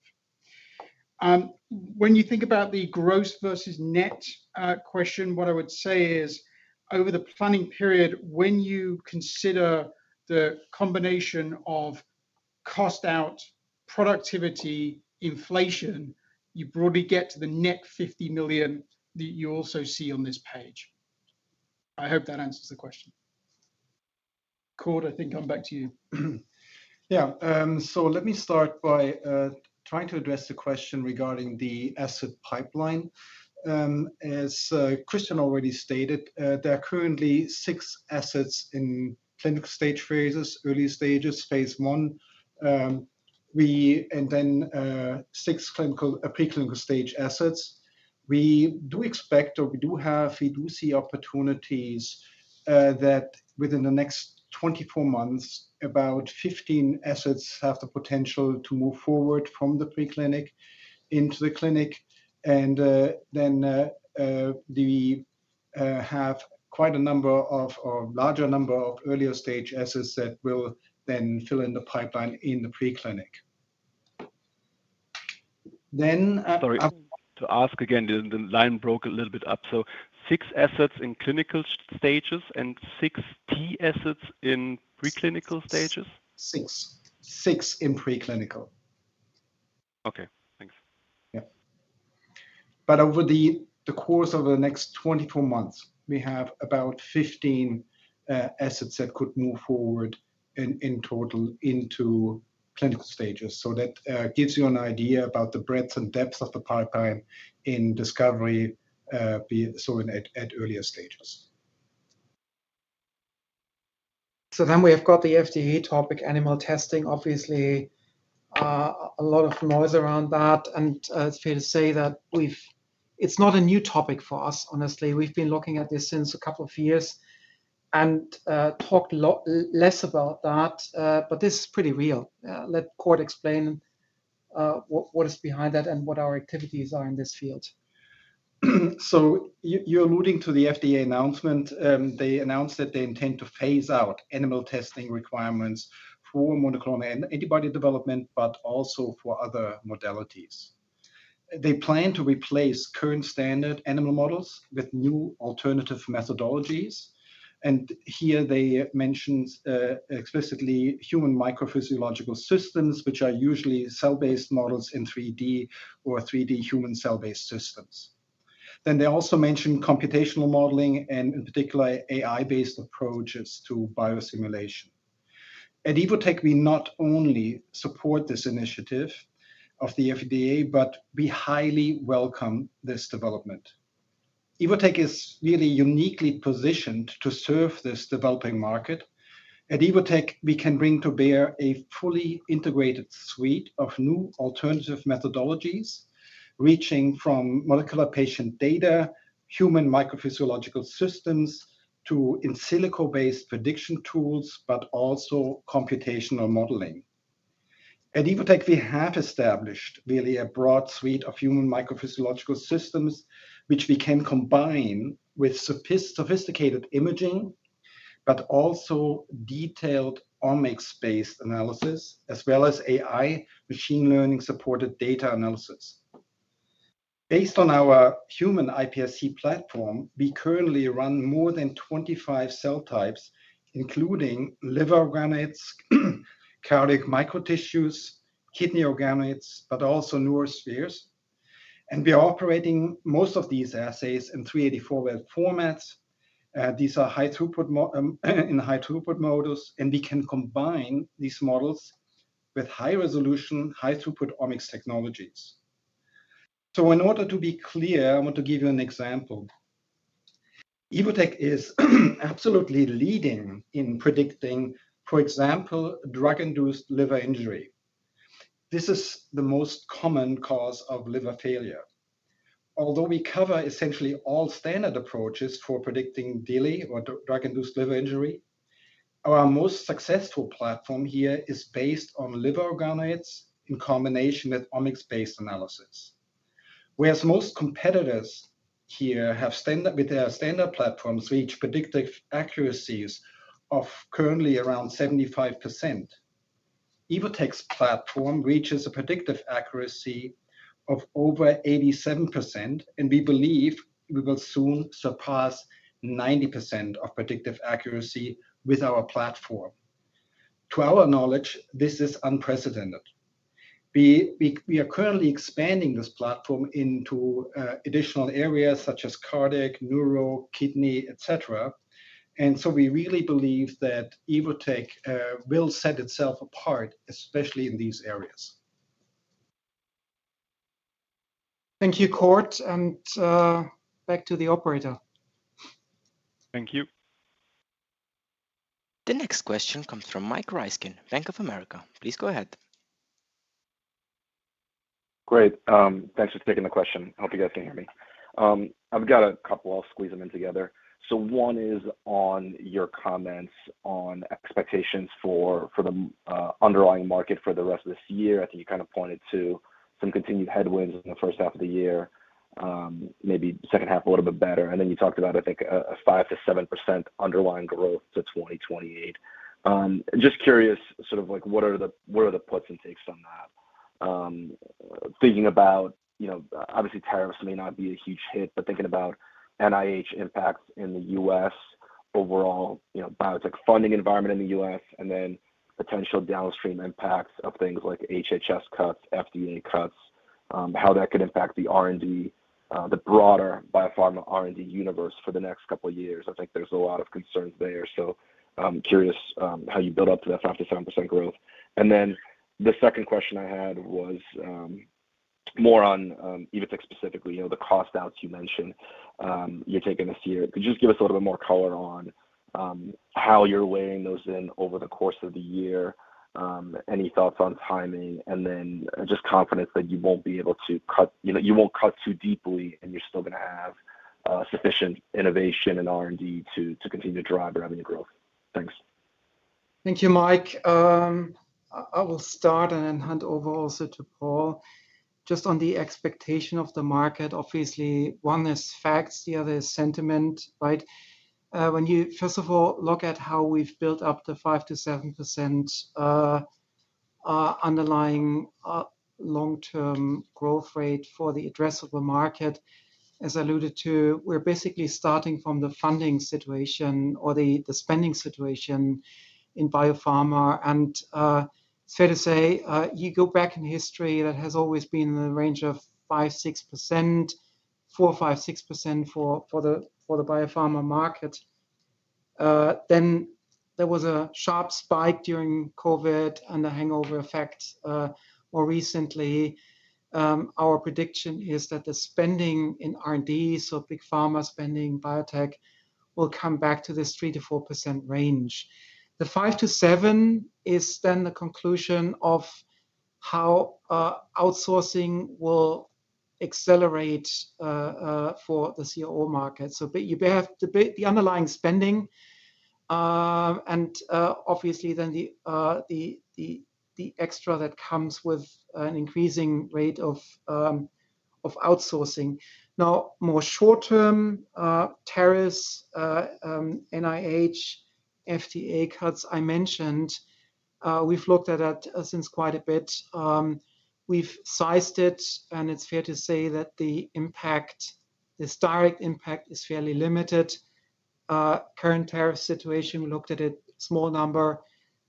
S4: When you think about the gross versus net question, what I would say is, over the planning period, when you consider the combination of cost out, productivity, inflation, you broadly get to the net 50 million that you also see on this page. I hope that answers the question.
S3: Cord, I think I'm back to you.
S6: Yeah, let me start by trying to address the question regarding the asset pipeline. As Christian already stated, there are currently six assets in clinical stage phases, early stages, phase I, and then six preclinical stage assets. We do expect, or we do have, we do see opportunities that within the next 24 months, about 15 assets have the potential to move forward from the preclinic into the clinic. We have quite a number of larger number of earlier stage assets that will then fill in the pipeline in the preclinic.
S5: I'm sorry to ask again, the line broke a little bit up. So six assets in clinical stages and sixty assets in preclinical stages?
S6: Six. Six in preclinical.
S5: Okay, thanks. Yeah.
S6: Over the course of the next 24 months, we have about 15 assets that could move forward in total into clinical stages. That gives you an idea about the breadth and depth of the pipeline in discovery at earlier stages.
S3: We have got the FDA topic, animal testing. Obviously, a lot of noise around that. It's fair to say that it's not a new topic for us, honestly. We've been looking at this since a couple of years and talked less about that, but this is pretty real. Let Cord explain what is behind that and what our activities are in this field.
S6: You're alluding to the FDA announcement. They announced that they intend to phase out animal testing requirements for monoclonal antibody development, but also for other modalities. They plan to replace current standard animal models with new alternative methodologies. Here, they mentioned explicitly human microphysiological systems, which are usually cell-based models in 3D or 3D human cell-based systems. They also mentioned computational modeling and, in particular, AI-based approaches to biosimulation. At Evotec, we not only support this initiative of the FDA, but we highly welcome this development. Evotec is really uniquely positioned to serve this developing market. At Evotec, we can bring to bear a fully integrated suite of new alternative methodologies, reaching from molecular patient data, human microphysiological systems, to in silico-based prediction tools, but also computational modeling. At Evotec, we have established really a broad suite of human microphysiological systems, which we can combine with sophisticated imaging, but also detailed omics-based analysis, as well as AI machine learning supported data analysis. Based on our human iPSC platform, we currently run more than 25 cell types, including liver organoids, cardiac micro-tissues, kidney organoids, but also neurospheres. We are operating most of these assays in 384-well formats. These are in high throughput modules, and we can combine these models with high-resolution, high-throughput omics technologies. In order to be clear, I want to give you an example. Evotec is absolutely leading in predicting, for example, drug-induced liver injury. This is the most common cause of liver failure. Although we cover essentially all standard approaches for predicting DILI or drug-induced liver injury, our most successful platform here is based on liver organoids in combination with omics-based analysis. Whereas most competitors here have standard with their standard platforms, which predictive accuracies of currently around 75%. Evotec's platform reaches a predictive accuracy of over 87%, and we believe we will soon surpass 90% of predictive accuracy with our platform. To our knowledge, this is unprecedented. We are currently expanding this platform into additional areas such as cardiac, neuro, kidney, et cetera. We really believe that Evotec will set itself apart, especially in these areas.
S3: Thank you, Cord. Back to the operator.
S5: Thank you.
S1: The next question comes from Mike Ryskin, Bank of America. Please go ahead.
S7: Great. Thanks for taking the question. I hope you guys can hear me. I've got a couple. I'll squeeze them in together. One is on your comments on expectations for the underlying market for the rest of this year. I think you kind of pointed to some continued headwinds in the first half of the year, maybe second half a little bit better. You talked about, I think, a 5%-7% underlying growth to 2028. Just curious, sort of what are the puts and takes on that? Thinking about, obviously, tariffs may not be a huge hit, but thinking about NIH impacts in the U.S., overall biotech funding environment in the U.S., and then potential downstream impacts of things like HHS cuts, FDA cuts, how that could impact the R&D, the broader biopharma R&D universe for the next couple of years. I think there's a lot of concerns there. I'm curious how you build up to that 5%-7% growth. The second question I had was more on Evotec specifically, the cost outs you mentioned you're taking this year. Could you just give us a little bit more color on how you're weighing those in over the course of the year? Any thoughts on timing? And then just confidence that you won't be able to cut you won't cut too deeply, and you're still going to have sufficient innovation and R&D to continue to drive revenue growth. Thanks.
S3: Thank you, Mike. I will start and then hand over also to Paul. Just on the expectation of the market, obviously, one is facts. The other is sentiment, right? When you, first of all, look at how we've built up the 5%-7% underlying long-term growth rate for the addressable market, as I alluded to, we're basically starting from the funding situation or the spending situation in biopharma. It is fair to say you go back in history, that has always been in the range of 5%-6%, 4%-5%-6% for the biopharma market. There was a sharp spike during COVID and the hangover effect more recently. Our prediction is that the spending in R&D, so big pharma spending, biotech, will come back to this 3%-4% range. The 5%-7% is then the conclusion of how outsourcing will accelerate for the COO market. You have the underlying spending and obviously then the extra that comes with an increasing rate of outsourcing. Now, more short-term tariffs, NIH, FDA cuts I mentioned, we have looked at that since quite a bit. We have sized it, and it is fair to say that the impact, this direct impact, is fairly limited. Current tariff situation, we looked at it, small number.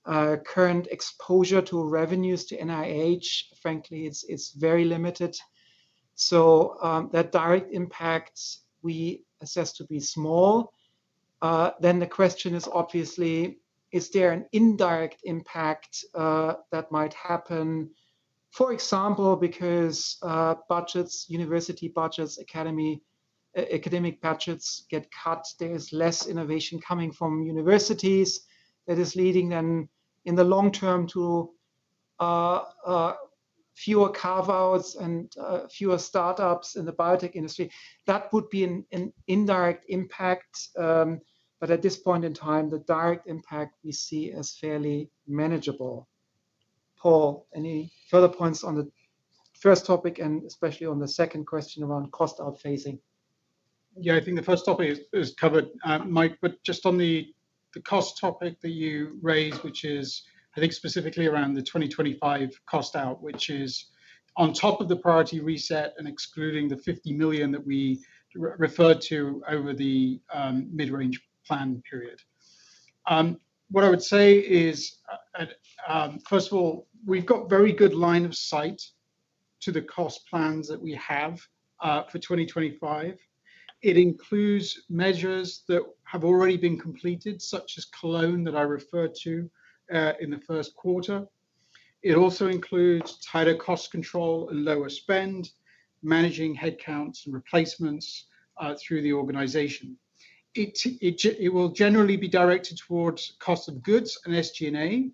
S3: Current exposure to revenues to NIH, frankly, it's very limited. That direct impact, we assess to be small. The question is, obviously, is there an indirect impact that might happen? For example, because budgets, university budgets, academic budgets get cut, there is less innovation coming from universities. That is leading in the long term to fewer carve-outs and fewer startups in the biotech industry. That would be an indirect impact. At this point in time, the direct impact we see is fairly manageable. Paul, any further points on the first topic and especially on the second question around cost outfacing?
S4: Yeah, I think the first topic is covered, Mike. Just on the cost topic that you raised, which is, I think, specifically around the 2025 cost out, which is on top of the Priority Reset and excluding the 50 million that we referred to over the mid-range plan period. What I would say is, first of all, we've got very good line of sight to the cost plans that we have for 2025. It includes measures that have already been completed, such as Cologne that I referred to in the first quarter. It also includes tighter cost control and lower spend, managing headcounts and replacements through the organization. It will generally be directed towards cost of goods and SG&A.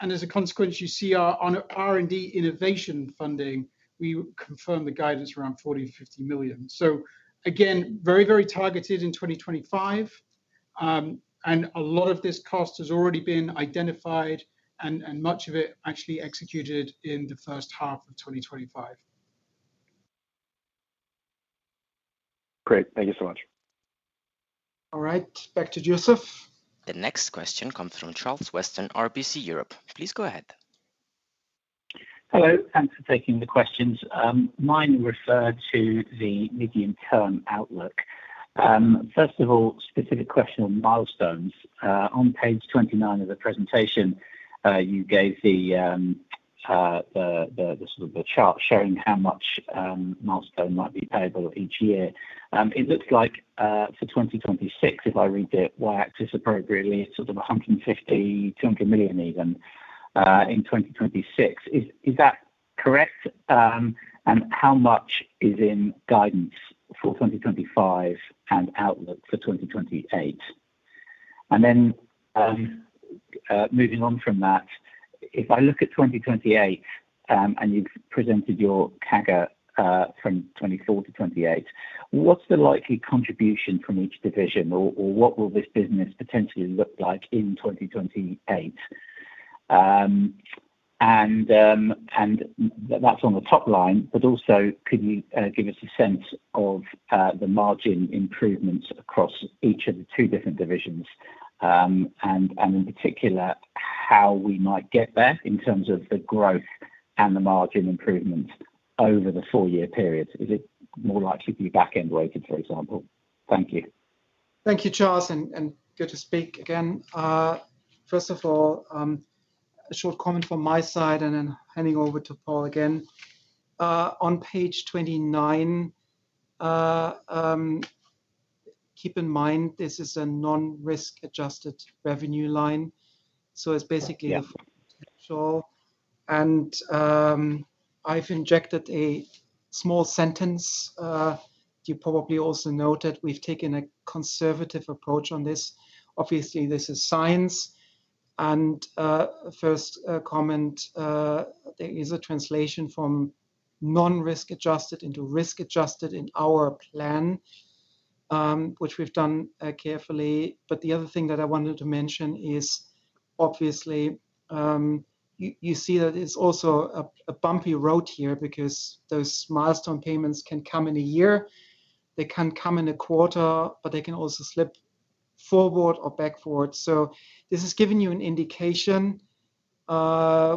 S4: As a consequence, you see our R&D innovation funding, we confirm the guidance around 40 million-50 million. Again, very, very targeted in 2025. A lot of this cost has already been identified and much of it actually executed in the first half of 2025.
S7: Great. Thank you so much.
S3: All right. Back to [Joseph].
S1: The next question comes from Charles Weston, RBC Europe. Please go ahead.
S8: Hello. Thanks for taking the questions. Mine referred to the medium-term outlook. First of all, specific question on milestones. On page 29 of the presentation, you gave the sort of the chart showing how much milestone might be payable each year. It looks like for 2026, if I read it, Y-axis appropriately, it's sort of 150 million-200 million even in 2026. Is that correct? And how much is in guidance for 2025 and outlook for 2028? Then moving on from that, if I look at 2028 and you've presented your CAGR from 2024 to 2028, what's the likely contribution from each division, or what will this business potentially look like in 2028? That's on the top line, but also could you give us a sense of the margin improvements across each of the two different divisions? In particular, how we might get there in terms of the growth and the margin improvements over the four-year period? Is it more likely to be back-end weighted, for example? Thank you.
S3: Thank you, Charles. Good to speak again. First of all, a short comment from my side and then handing over to Paul again. On page 29, keep in mind this is a non-risk adjusted revenue line. It's basically a potential. I've injected a small sentence. You probably also noted we have taken a conservative approach on this. Obviously, this is science. My first comment, there is a translation from non-risk adjusted into risk adjusted in our plan, which we have done carefully. The other thing that I wanted to mention is, obviously, you see that it is also a bumpy road here because those milestone payments can come in a year. They can come in a quarter, but they can also slip forward or backward. This has given you an indication.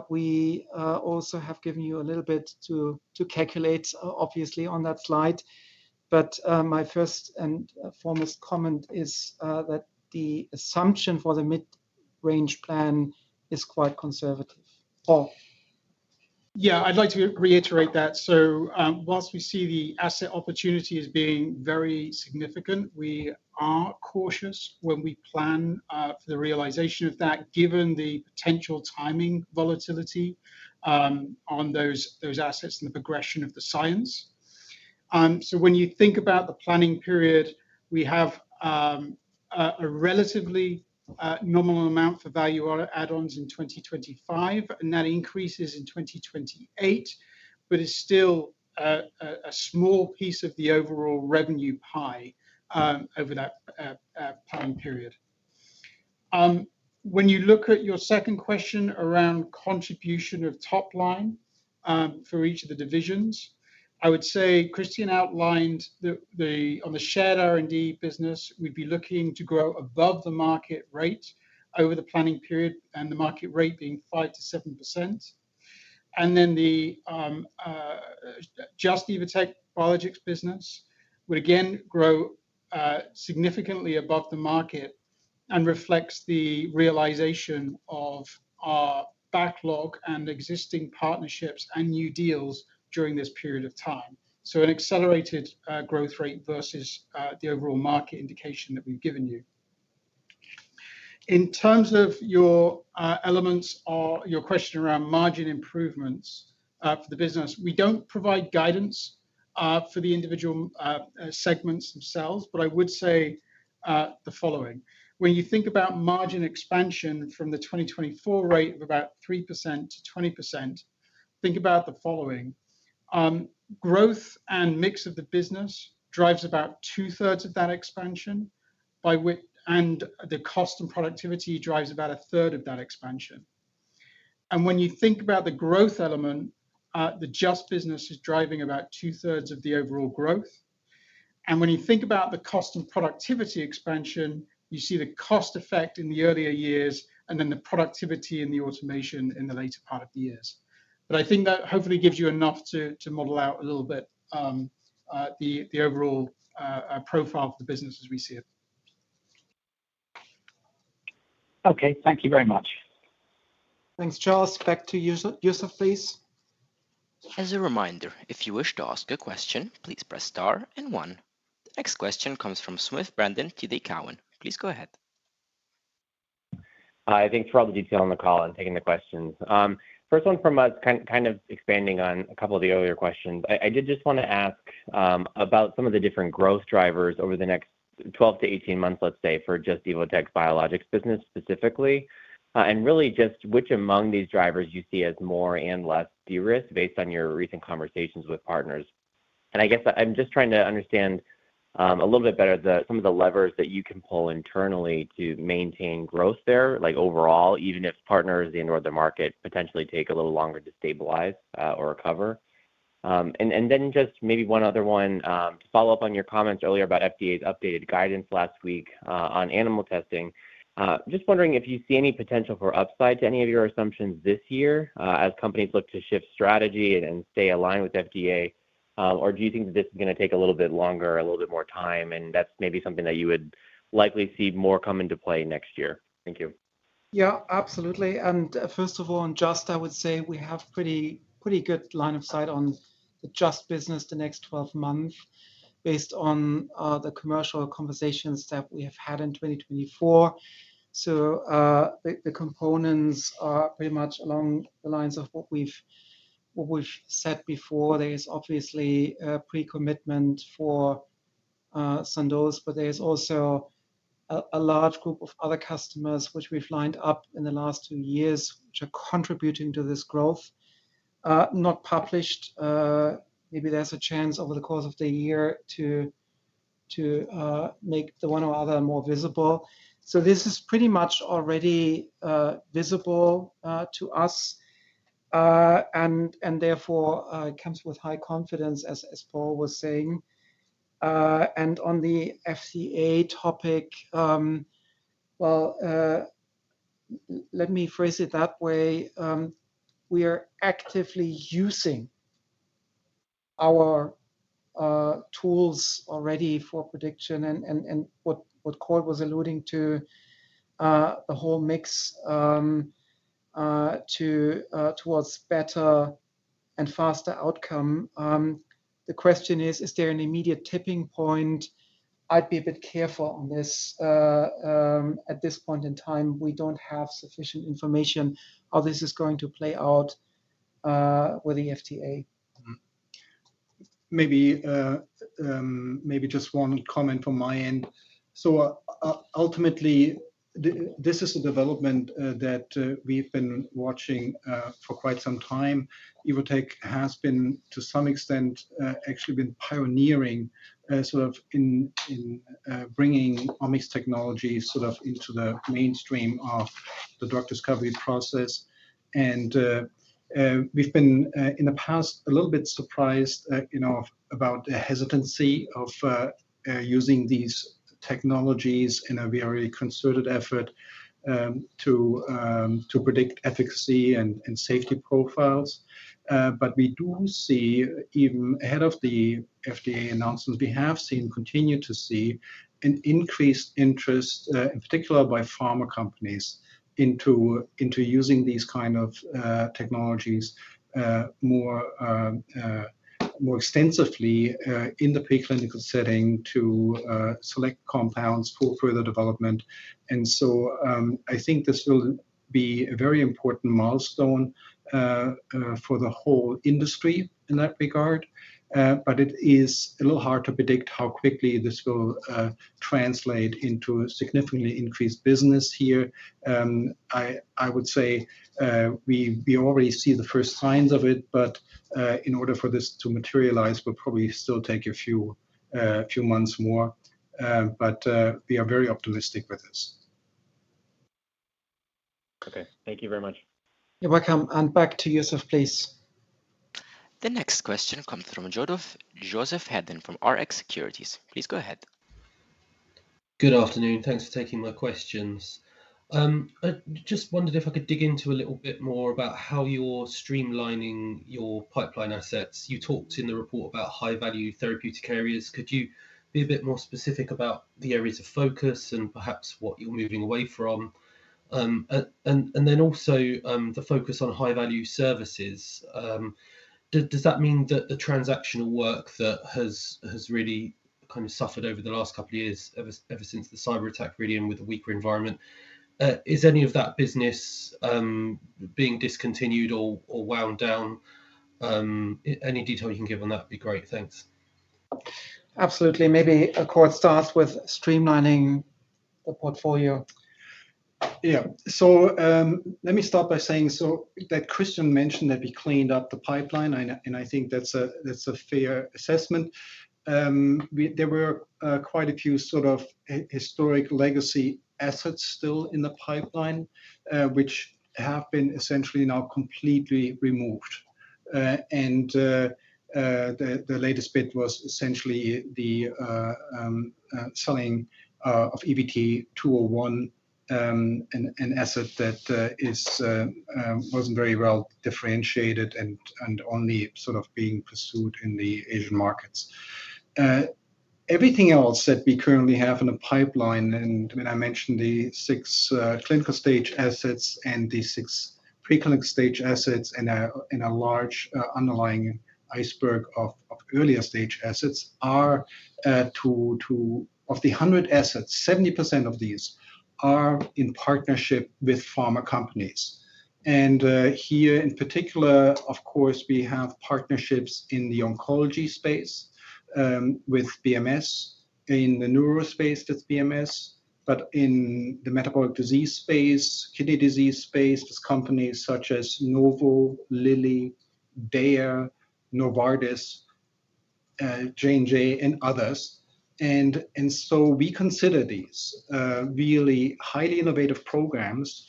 S3: We also have given you a little bit to calculate, obviously, on that slide. My first and foremost comment is that the assumption for the mid-range plan is quite conservative. Paul.
S4: Yeah, I would like to reiterate that. Whilst we see the asset opportunity as being very significant, we are cautious when we plan for the realization of that, given the potential timing volatility on those assets and the progression of the science. When you think about the planning period, we have a relatively normal amount for value add-ons in 2025, and that increases in 2028, but it is still a small piece of the overall revenue pie over that time period. When you look at your second question around contribution of top line for each of the divisions, I would say Christian outlined on the Shared R&D business, we would be looking to grow above the market rate over the planning period, and the market rate being 5%-7%. The Just - Evotec Biologics business would again grow significantly above the market and reflects the realization of our backlog and existing partnerships and new deals during this period of time. An accelerated growth rate versus the overall market indication that we've given you. In terms of your elements or your question around margin improvements for the business, we do not provide guidance for the individual segments themselves, but I would say the following. When you think about margin expansion from the 2024 rate of about 3%-20%, think about the following. Growth and mix of the business drives about two-thirds of that expansion, and the cost and productivity drives about a third of that expansion. When you think about the growth element, the Just business is driving about two-thirds of the overall growth. When you think about the cost and productivity expansion, you see the cost effect in the earlier years, and then the productivity and the automation in the later part of the years. I think that hopefully gives you enough to model out a little bit the overall profile of the business as we see it.
S8: Thank you very much.
S3: Thanks, Charles. Back to you, [Joseph], please.
S1: As a reminder, if you wish to ask a question, please press star and one. The next question comes from Smith, Brendan, TD Cowen. Please go ahead.
S9: Hi. Thanks for all the detail on the call and taking the questions. First one from us, kind of expanding on a couple of the earlier questions. I did just want to ask about some of the different growth drivers over the next 12 moths-18 months, let's say, for Just - Evotec Biologics business specifically. I really just which among these drivers you see as more and less serious based on your recent conversations with partners. I guess I'm just trying to understand a little bit better some of the levers that you can pull internally to maintain growth there, like overall, even if partners in or the market potentially take a little longer to stabilize or recover. Just maybe one other one to follow up on your comments earlier about FDA's updated guidance last week on animal testing. Just wondering if you see any potential for upside to any of your assumptions this year as companies look to shift strategy and stay aligned with FDA, or do you think that this is going to take a little bit longer, a little bit more time, and that's maybe something that you would likely see more come into play next year? Thank you.
S3: Yeah, absolutely. First of all, in Just I would say we have pretty good line of sight on the Just business the next 12 months based on the commercial conversations that we have had in 2024. The components are pretty much along the lines of what we've said before. There is obviously a pre-commitment for Sandoz, but there is also a large group of other customers which we've lined up in the last two years which are contributing to this growth. Not published. Maybe there's a chance over the course of the year to make the one or other more visible. This is pretty much already visible to us and therefore comes with high confidence, as Paul was saying. On the FDA topic, let me phrase it that way. We are actively using our tools already for prediction and what Cord was alluding to, the whole mix towards better and faster outcome. The question is, is there an immediate tipping point? I'd be a bit careful on this at this point in time. We don't have sufficient information how this is going to play out with the FDA.
S4: Maybe just one comment from my end. Ultimately, this is a development that we've been watching for quite some time. Evotec has been, to some extent, actually been pioneering sort of in bringing omics technology sort of into the mainstream of the drug discovery process. We've been in the past a little bit surprised about the hesitancy of using these technologies in a very concerted effort to predict efficacy and safety profiles. We do see, even ahead of the FDA announcements, we have seen continue to see an increased interest, in particular by pharma companies, into using these kinds of technologies more extensively in the preclinical setting to select compounds for further development. I think this will be a very important milestone for the whole industry in that regard. It is a little hard to predict how quickly this will translate into significantly increased business here. I would say we already see the first signs of it, but in order for this to materialize, it will probably still take a few months more. We are very optimistic with this.
S9: Thank you very much.
S3: You're welcome. Back to you, [Joseph], please.
S1: The next question comes from Joseph Hedden from Rx Securities. Please go ahead.
S10: Good afternoon. Thanks for taking my questions. I just wondered if I could dig into a little bit more about how you're streamlining your pipeline assets. You talked in the report about high-value therapeutic areas. Could you be a bit more specific about the areas of focus and perhaps what you're moving away from? Also the focus on high-value services. Does that mean that the transactional work that has really kind of suffered over the last couple of years, ever since the cyber attack really and with the weaker environment, is any of that business being discontinued or wound down? Any detail you can give on that would be great. Thanks.
S3: Absolutely. Maybe a Cord start with streamlining the portfolio.
S6: Yeah. Let me start by saying that Christian mentioned that we cleaned up the pipeline, and I think that's a fair assessment. There were quite a few sort of historic legacy assets still in the pipeline, which have been essentially now completely removed. The latest bit was essentially the selling of EVT 201, an asset that wasn't very well differentiated and only sort of being pursued in the Asian markets. Everything else that we currently have in the pipeline, and I mentioned the six clinical stage assets and the six preclinical stage assets and a large underlying iceberg of earlier stage assets, of the 100 assets, 70% of these are in partnership with pharma companies. Here in particular, of course, we have partnerships in the oncology space with BMS, in the neuro space with BMS, but in the metabolic disease space, kidney disease space, there are companies such as Novo, Lilly, Bayer, Novartis, J&J, and others. We consider these really highly innovative programs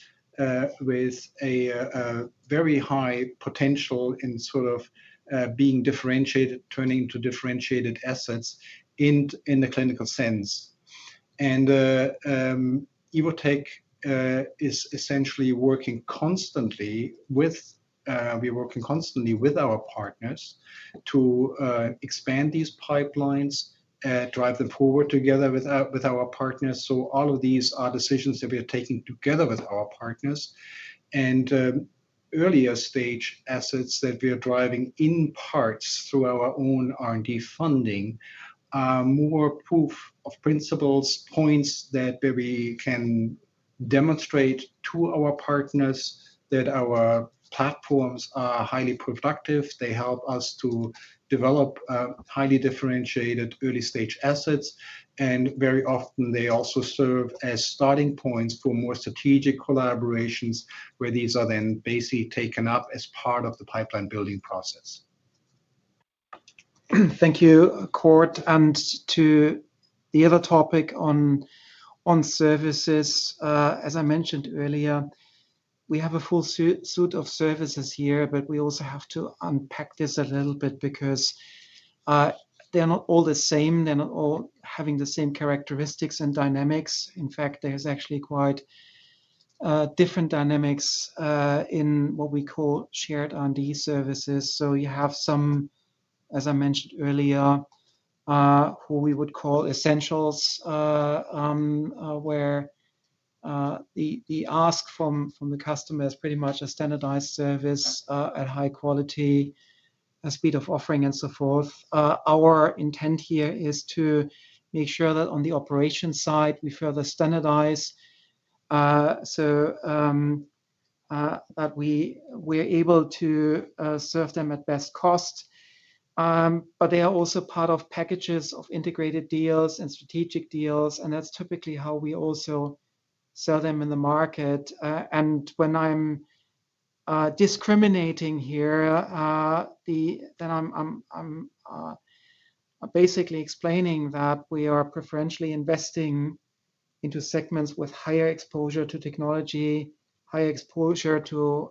S6: with a very high potential in sort of being differentiated, turning into differentiated assets in the clinical sense. Evotec is essentially working constantly with our partners to expand these pipelines, drive them forward together with our partners. All of these are decisions that we are taking together with our partners. Earlier stage assets that we are driving in parts through our own R&D funding are more proof of principles, points that we can demonstrate to our partners that our platforms are highly productive. They help us to develop highly differentiated early stage assets. Very often, they also serve as starting points for more strategic collaborations where these are then basically taken up as part of the pipeline building process.
S3: Thank you, Cord. To the other topic on services, as I mentioned earlier, we have a full suite of services here, but we also have to unpack this a little bit because they are not all the same. They are not all having the same characteristics and dynamics. In fact, there are actually quite different dynamics in what we call Shared R&D services. As I mentioned earlier, you have some who we would call essentials, where the ask from the customer is pretty much a standardized service at high quality, a speed of offering, and so forth. Our intent here is to make sure that on the operation side, we further standardize so that we are able to serve them at best cost. They are also part of packages of integrated deals and strategic deals, and that is typically how we also sell them in the market. When I am discriminating here, I am basically explaining that we are preferentially investing into segments with higher exposure to technology, higher exposure to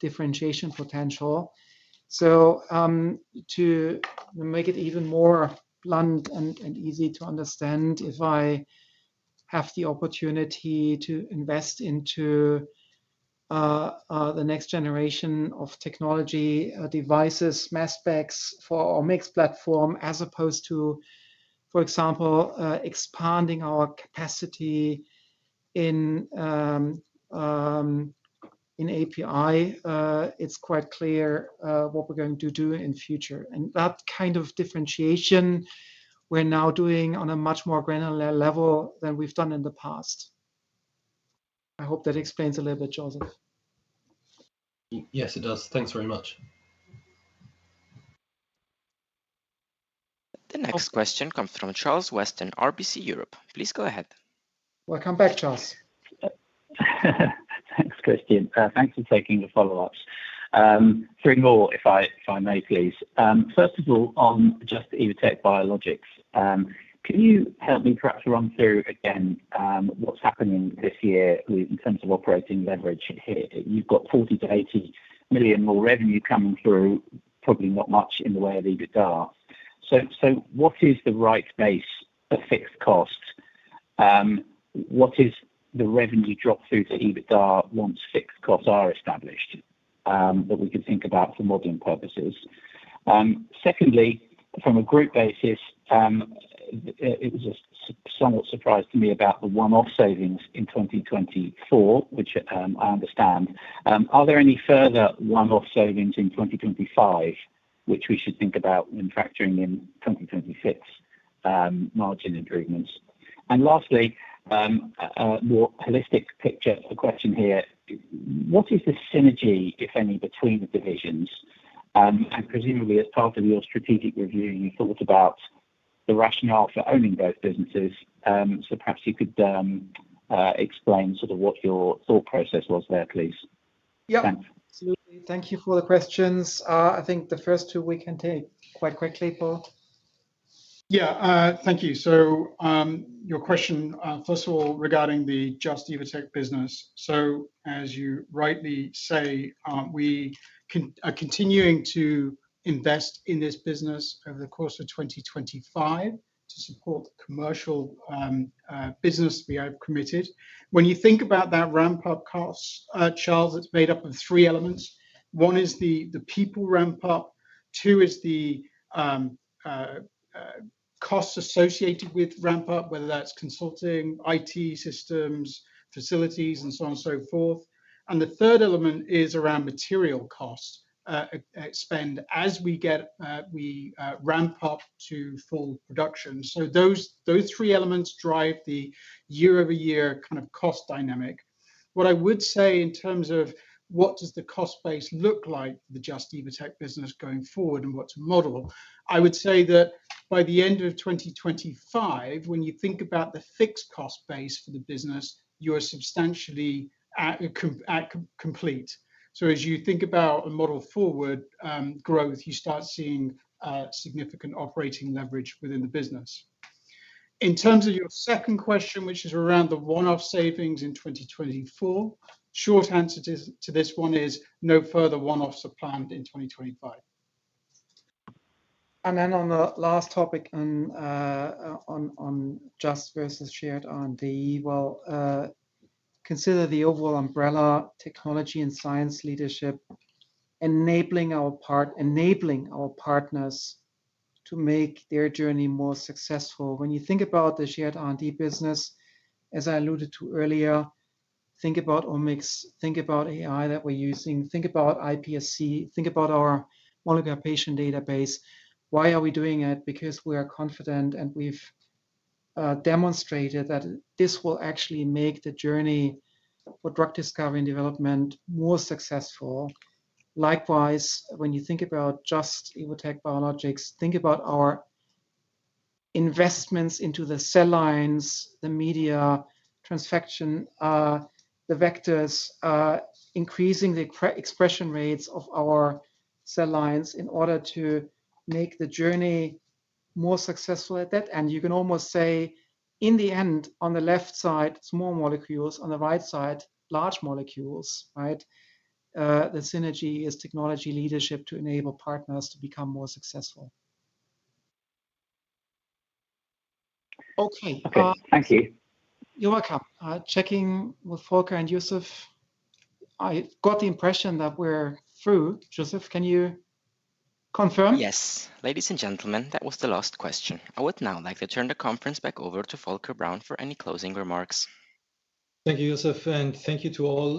S3: differentiation potential. To make it even more blunt and easy to understand, if I have the opportunity to invest into the next generation of technology devices, mass specs for our mixed platform, as opposed to, for example, expanding our capacity in API, it is quite clear what we are going to do in the future. That kind of differentiation, we are now doing on a much more granular level than we have done in the past. I hope that explains a little bit, Joseph.
S10: Yes, it does. Thanks very much.
S1: The next question comes from Charles Weston, RBC Europe. Please go ahead.
S3: Welcome back, Charles.
S8: Thanks, Christian. Thanks for taking the follow-ups. Three more, if I may, please. First of all, on Just - Evotec Biologics, can you help me perhaps run through again what is happening this year in terms of operating leverage here? You've got 40 million-80 million more revenue coming through, probably not much in the way of Evotec. What is the right base for fixed costs? What is the revenue drop through to Evotec once fixed costs are established that we can think about for modeling purposes? Secondly, from a group basis, it was a somewhat surprise to me about the one-off savings in 2024, which I understand. Are there any further one-off savings in 2025 which we should think about when factoring in 2026 margin improvements? Lastly, more holistic picture question here. What is the synergy, if any, between the divisions? Presumably, as part of your strategic review, you thought about the rationale for owning both businesses. Perhaps you could explain sort of what your thought process was there, please. Thanks.
S3: Absolutely. Thank you for the questions. I think the first two we can take quite quickly, Paul.
S4: Yeah. Thank you. Your question, first of all, regarding the Just - Evotec business. As you rightly say, we are continuing to invest in this business over the course of 2025 to support the commercial business we have committed. When you think about that ramp-up cost, Charles, it is made up of three elements. One is the people ramp-up. Two is the costs associated with ramp-up, whether that is consulting, IT systems, facilities, and so on and so forth. The third element is around material cost spend as we ramp up to full production. Those three elements drive the year-over-year kind of cost dynamic. What I would say in terms of what does the cost base look like for the Just - Evotec business going forward and what to model, I would say that by the end of 2025, when you think about the fixed cost base for the business, you are substantially complete. As you think about a model forward growth, you start seeing significant operating leverage within the business. In terms of your second question, which is around the one-off savings in 2024, the short answer to this one is no further one-offs are planned in 2025.
S3: On the last topic on Just versus Shared R&D, consider the overall umbrella technology and science leadership enabling our partners to make their journey more successful. When you think about the Shared R&D business, as I alluded to earlier, think about omics, think about AI that we're using, think about iPSC, think about our molecular patient database. Why are we doing it? Because we are confident and we've demonstrated that this will actually make the journey for drug discovery and development more successful. Likewise, when you think about Just - Evotec Biologics, think about our investments into the cell lines, the media transfection, the vectors, increasing the expression rates of our cell lines in order to make the journey more successful at that end. You can almost say, in the end, on the left side, small molecules; on the right side, large molecules, right? The synergy is technology leadership to enable partners to become more successful. Okay.
S8: Thank you.
S3: You're welcome. Checking with Volker and [Joseph], I got the impression that we're through. [Joseph], can you confirm?
S1: Yes. Ladies and gentlemen, that was the last question. I would now like to turn the conference back over to Volker Braun for any closing remarks.
S2: Thank you, [Joseph], and thank you to all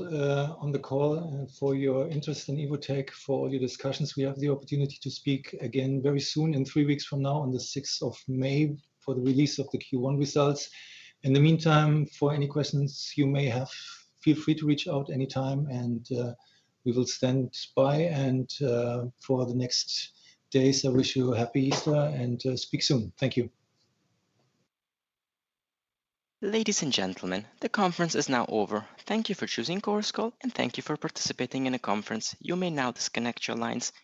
S2: on the call for your interest in Evotec, for all your discussions. We have the opportunity to speak again very soon, in three weeks from now, on the 6th of May, for the release of the Q1 results. In the meantime, for any questions you may have, feel free to reach out anytime, and we will stand by. For the next days, I wish you a happy Easter and speak soon. Thank you.
S1: Ladies and gentlemen, the conference is now over. Thank you for choosing Chorus Call, and thank you for participating in the conference. You may now disconnect your lines.